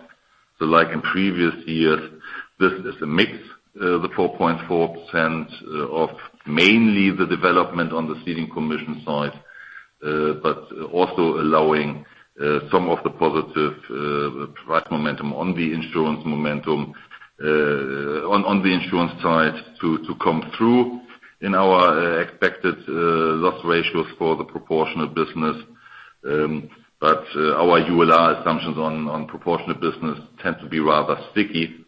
So like in previous years, this is a mix, the 4.4% of mainly the development on the ceding commission side, but also allowing some of the positive price momentum on the insurance side to come through in our expected loss ratios for the proportional business. But our ULR assumptions on proportional business tend to be rather sticky.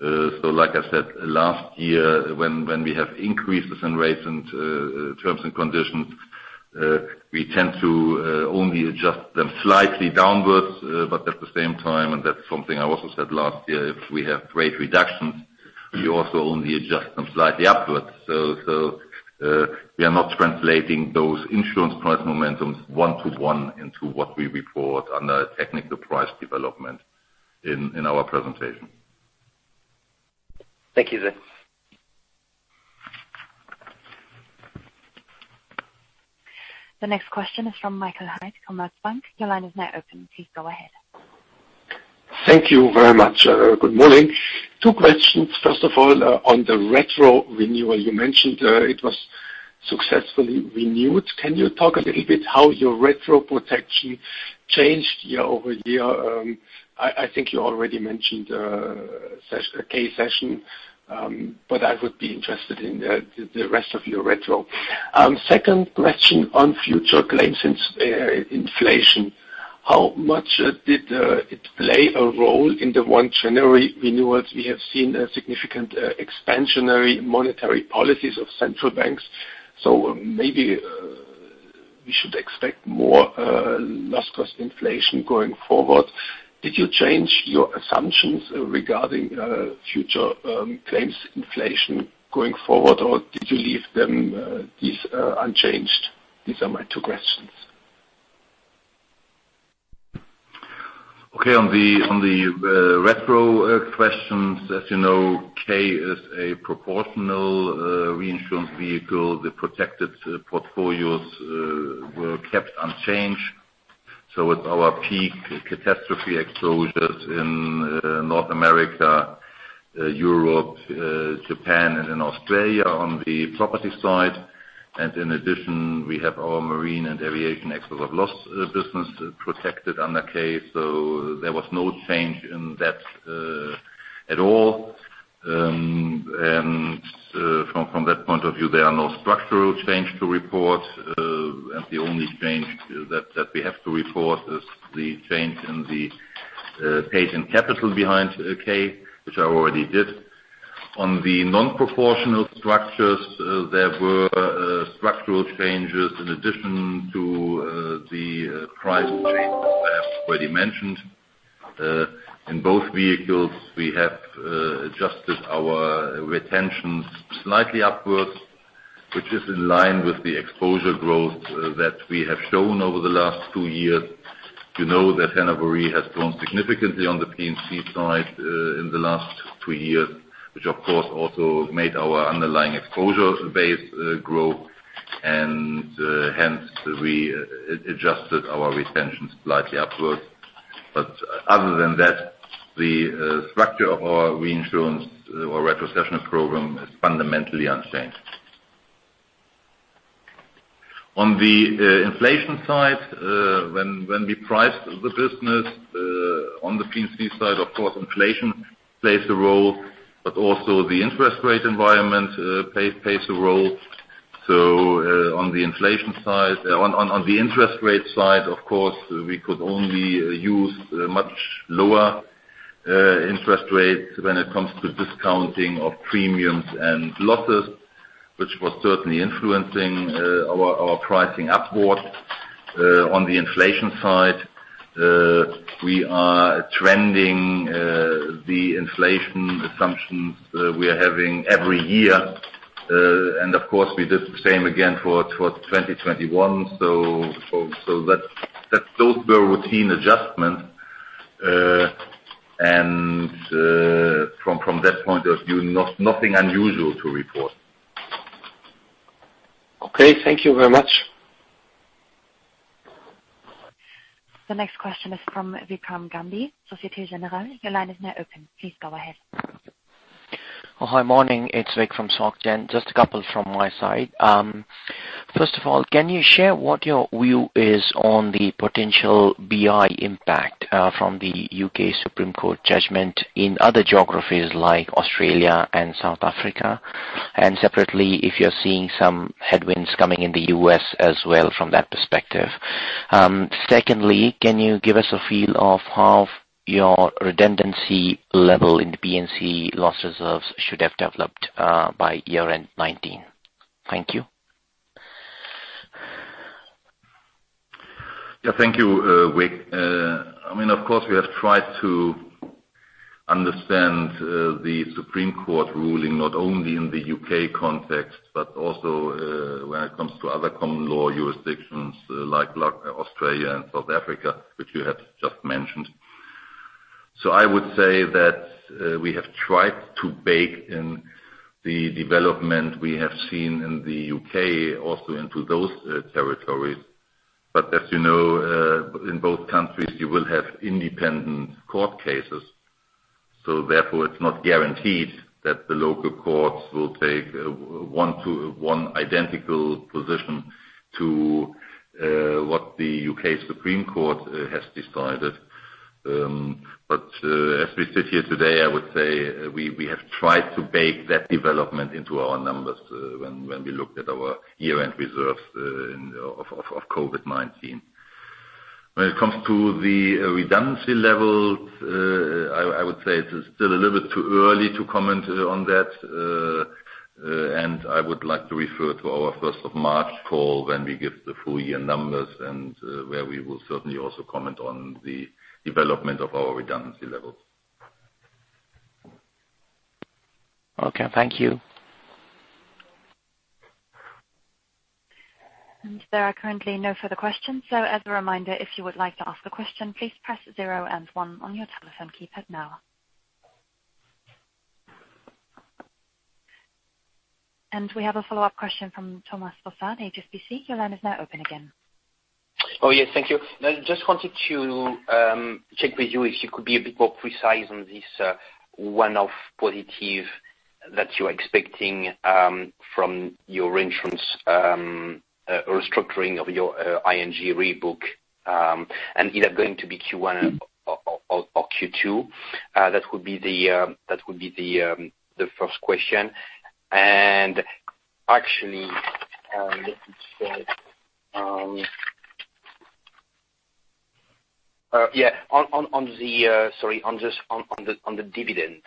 So like I said, last year, when we have increases in rates and terms and conditions, we tend to only adjust them slightly downwards, but at the same time, and that's something I also said last year, if we have rate reductions, we also only adjust them slightly upwards. So we are not translating those insurance price momentums one-to-one into what we report under technical price development in our presentation. Thank you, sir. The next question is from Michael Haid from Commerzbank. Your line is now open. Please go ahead. Thank you very much. Good morning. Two questions. First of all, on the retro renewal, you mentioned it was successfully renewed. Can you talk a little bit how your retro protection changed year-over-year? I think you already mentioned K-Cession, but I would be interested in the rest of your retro. Second question on future claims inflation. How much did it play a role in the 1 January renewals? We have seen significant expansionary monetary policies of central banks. So maybe we should expect more loss cost inflation going forward. Did you change your assumptions regarding future claims inflation going forward, or did you leave them unchanged? These are my two questions. Okay. On the retro questions, as you know, K is a proportional reinsurance vehicle. The protected portfolios were kept unchanged. So with our peak catastrophe exposures in North America, Europe, Japan, and in Australia on the property side. And in addition, we have our marine and aviation export of loss business protected under K. So there was no change in that at all. And from that point of view, there are no structural changes to report. The only change that we have to report is the change in the parent capital behind K, which I already did. On the non-proportional structures, there were structural changes in addition to the price changes I have already mentioned. In both vehicles, we have adjusted our retentions slightly upwards, which is in line with the exposure growth that we have shown over the last two years. You know that Hannover has grown significantly on the P&C side in the last two years, which, of course, also made our underlying exposure base grow. And hence, we adjusted our retentions slightly upwards. But other than that, the structure of our reinsurance or retrocession program is fundamentally unchanged. On the inflation side, when we priced the business on the P&C side, of course, inflation plays a role, but also the interest rate environment plays a role. So on the inflation side, on the interest rate side, of course, we could only use much lower interest rates when it comes to discounting of premiums and losses, which was certainly influencing our pricing upwards. On the inflation side, we are trending the inflation assumptions we are having every year. And of course, we did the same again for 2021. So those were routine adjustments. And from that point of view, nothing unusual to report. Okay. Thank you very much. The next question is from Vikram Gandhi, Société Générale. Your line is now open. Please go ahead. Oh, hi, morning. It's Vik from SocGen. Just a couple from my side. First of all, can you share what your view is on the potential BI impact from the UK Supreme Court judgment in other geographies like Australia and South Africa? Separately, if you're seeing some headwinds coming in the U.S. as well from that perspective. Secondly, can you give us a feel of how your redundancy level in the P&C loss reserves should have developed by year-end 2019? Thank you. Yeah. Thank you, Vik. I mean, of course, we have tried to understand the Supreme Court ruling not only in the U.K. context, but also when it comes to other common law jurisdictions like Australia and South Africa, which you have just mentioned. So I would say that we have tried to bake in the development we have seen in the U.K. also into those territories. But as you know, in both countries, you will have independent court cases. So therefore, it's not guaranteed that the local courts will take one identical position to what the U.K. Supreme Court has decided. But as we sit here today, I would say we have tried to bake that development into our numbers when we looked at our year-end reserves of COVID-19. When it comes to the redundancy levels, I would say it's still a little bit too early to comment on that. And I would like to refer to our 1st of March call when we give the full year numbers and where we will certainly also comment on the development of our redundancy levels. Okay. Thank you. And there are currently no further questions. So as a reminder, if you would like to ask a question, please press 0 and 1 on your telephone keypad now. And we have a follow-up question from Thomas Fossard, HSBC. Your line is now open again. Oh, yes. Thank you. Just wanted to check with you if you could be a bit more precise on this one-off positive that you're expecting from your reinsurance restructuring of your ING Re book. And either going to be Q1 or Q2, that would be the first question. And actually, let me check. Yeah. Sorry. On the dividend,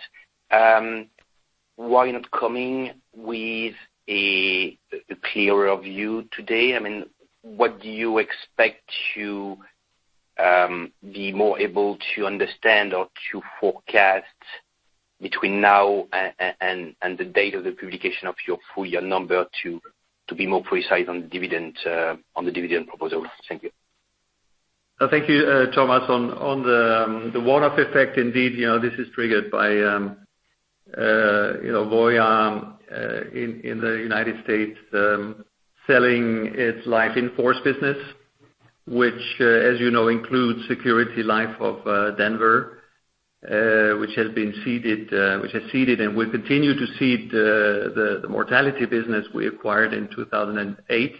why not coming with a clearer view today? I mean, what do you expect to be more able to understand or to forecast between now and the date of the publication of your full year number to be more precise on the dividend proposal? Thank you. Thank you, Thomas. On the one-off effect, indeed, this is triggered by Voya in the United States selling its life in force business, which, as you know, includes Security Life of Denver, which has been ceded and will continue to cede the mortality business we acquired in 2008.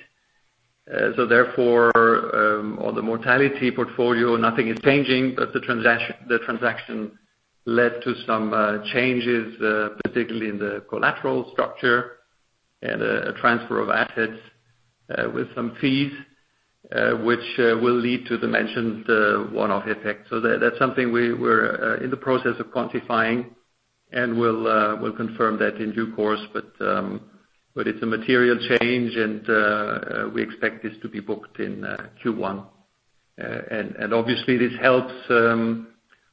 So therefore, on the mortality portfolio, nothing is changing, but the transaction led to some changes, particularly in the collateral structure and a transfer of assets with some fees, which will lead to the mentioned one-off effect. So that's something we're in the process of quantifying and will confirm that in due course. But it's a material change, and we expect this to be booked in Q1. And obviously, this helps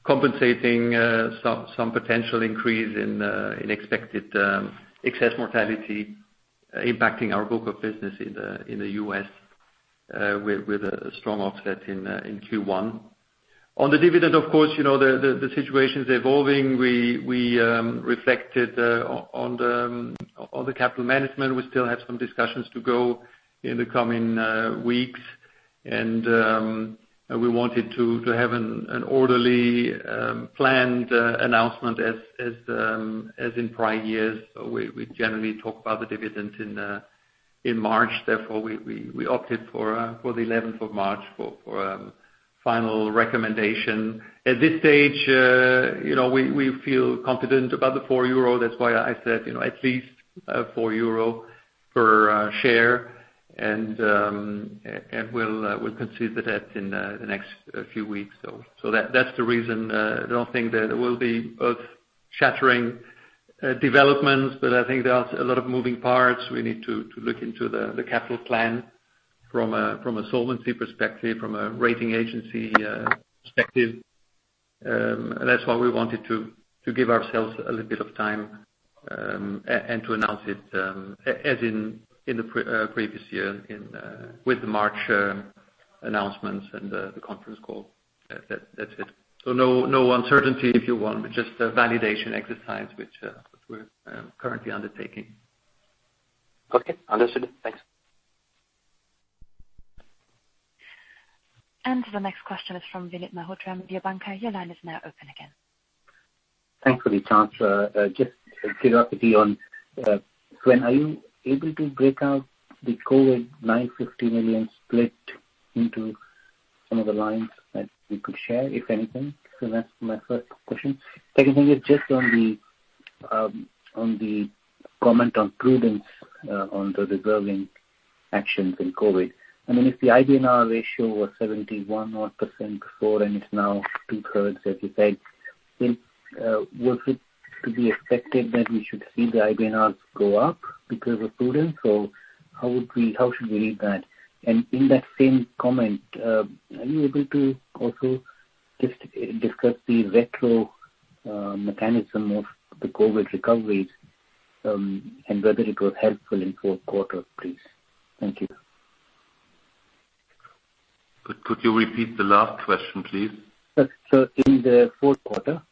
compensating some potential increase in expected excess mortality impacting our book of business in the U.S. with a strong offset in Q1. On the dividend, of course, the situation is evolving. We reflected on the capital management. We still have some discussions to go in the coming weeks. And we wanted to have an orderly planned announcement as in prior years. We generally talk about the dividends in March. Therefore, we opted for the 11th of March for final recommendation. At this stage, we feel confident about the 4 euro. That's why I said at least 4 euro per share. And we'll consider that in the next few weeks. So that's the reason. I don't think there will be earth-shattering developments, but I think there are a lot of moving parts. We need to look into the capital plan from a solvency perspective, from a rating agency perspective. And that's why we wanted to give ourselves a little bit of time and to announce it as in the previous year with the March announcements and the conference call. That's it. So no uncertainty, if you want, but just validation exercise, which we're currently undertaking. Okay. Understood. Thanks. And the next question is from Vinit Malhotra, Mediobanca. Your line is now open again. Thanks for the chance. Just curiosity on. When are you able to break out the COVID 950 million split into some of the lines that we could share, if anything? So that's my first question. Second thing is just on the comment on prudence on the reserving actions in COVID. I mean, if the IBNR ratio was 71% before, and it's now two-thirds, as you said, would it be expected that we should see the IBNRs go up because of prudence? So how should we read that? And in that same comment, are you able to also just discuss the retrocession mechanism of the COVID recoveries and whether it was helpful in fourth quarter, please? Thank you. Could you repeat the last question, please? So in the fourth quarter,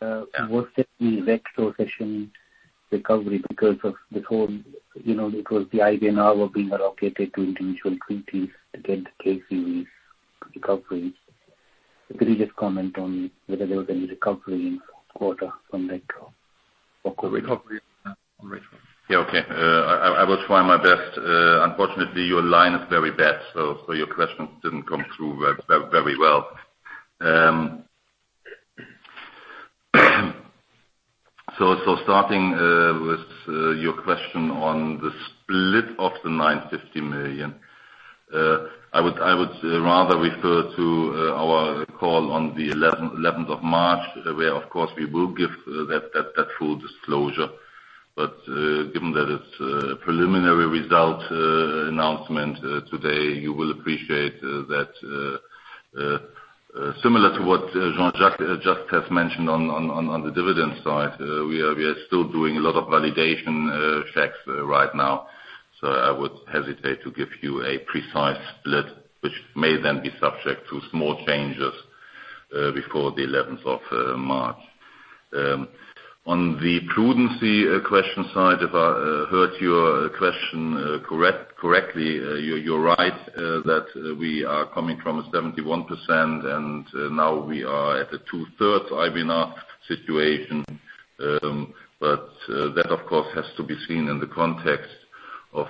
was there any retrocession recovery because of this whole it was the IBNR were being allocated to individual treaties to get the K-Cession recovery? Could you just comment on whether there was any recovery in fourth quarter from retro? Recovery on retro. Yeah. Okay. I will try my best. Unfortunately, your line is very bad, so your question didn't come through very well. So starting with your question on the split of the 950 million, I would rather refer to our call on the 11th of March, where, of course, we will give that full disclosure. But given that it's a preliminary result announcement today, you will appreciate that similar to what Jean-Jacques just has mentioned on the dividend side, we are still doing a lot of validation checks right now. So I would hesitate to give you a precise split, which may then be subject to small changes before the 11th of March. On the prudence question side, if I heard your question correctly, you're right that we are coming from a 71%, and now we are at a two-thirds IBNR situation. But that, of course, has to be seen in the context of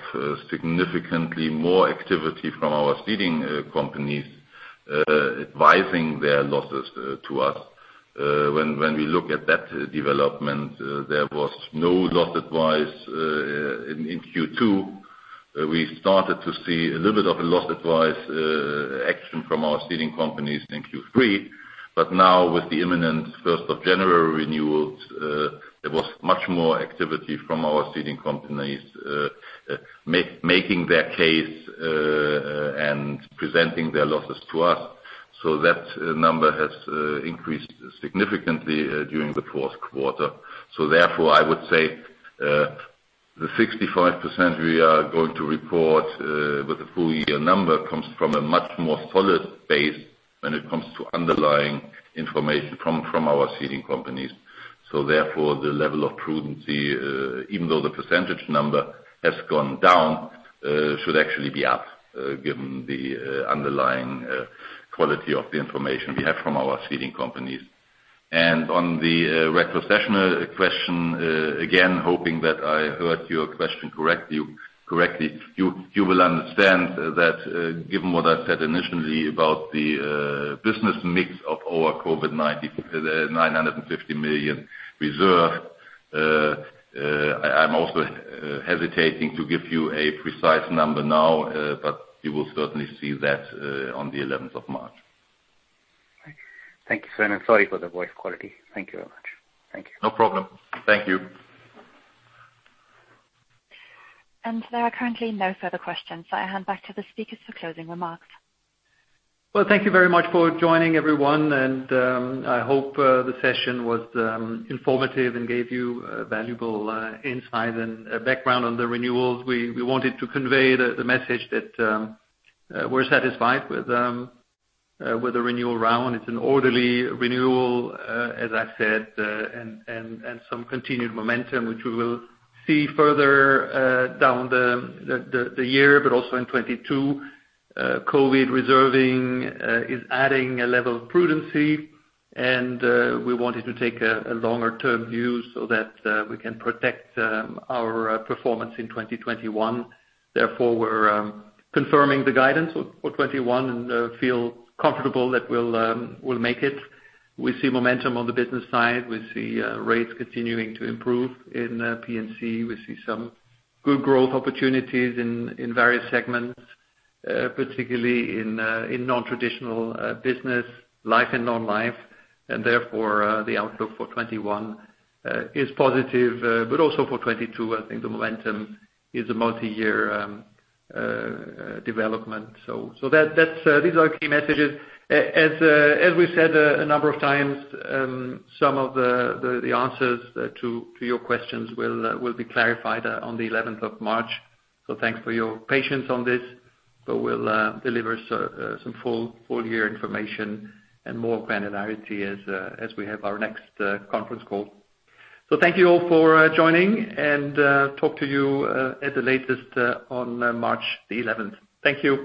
significantly more activity from our ceding companies advising their losses to us. When we look at that development, there was no loss advice in Q2. We started to see a little bit of a loss advice action from our ceding companies in Q3. But now, with the imminent 1st of January renewals, there was much more activity from our ceding companies making their case and presenting their losses to us. So that number has increased significantly during the fourth quarter. So therefore, I would say the 65% we are going to report with the full year number comes from a much more solid base when it comes to underlying information from our ceding companies. So therefore, the level of prudence, even though the percentage number has gone down, should actually be up given the underlying quality of the information we have from our ceding companies. And on the retrocession question, again, hoping that I heard your question correctly, you will understand that given what I said initially about the business mix of our COVID 950 million reserve, I'm also hesitating to give you a precise number now, but you will certainly see that on the 11th of March. Thank you so much. Sorry for the voice quality. Thank you very much. Thank you. No problem. Thank you. And there are currently no further questions. I hand back to the speakers for closing remarks. Well, thank you very much for joining, everyone. I hope the session was informative and gave you valuable insight and background on the renewals. We wanted to convey the message that we're satisfied with the renewal round. It's an orderly renewal, as I said, and some continued momentum, which we will see further down the year, but also in 2022. COVID reserving is adding a level of prudency, and we wanted to take a longer-term view so that we can protect our performance in 2021. Therefore, we're confirming the guidance for 2021 and feel comfortable that we'll make it. We see momentum on the business side. We see rates continuing to improve in P&C. We see some good growth opportunities in various segments, particularly in non-traditional business, life and non-life. Therefore, the outlook for 2021 is positive, but also for 2022. I think the momentum is a multi-year development. These are key messages. As we've said a number of times, some of the answers to your questions will be clarified on the 11th of March. Thanks for your patience on this. But we'll deliver some full year information and more granularity as we have our next conference call. Thank you all for joining, and talk to you at the latest on March the 11th. Thank you.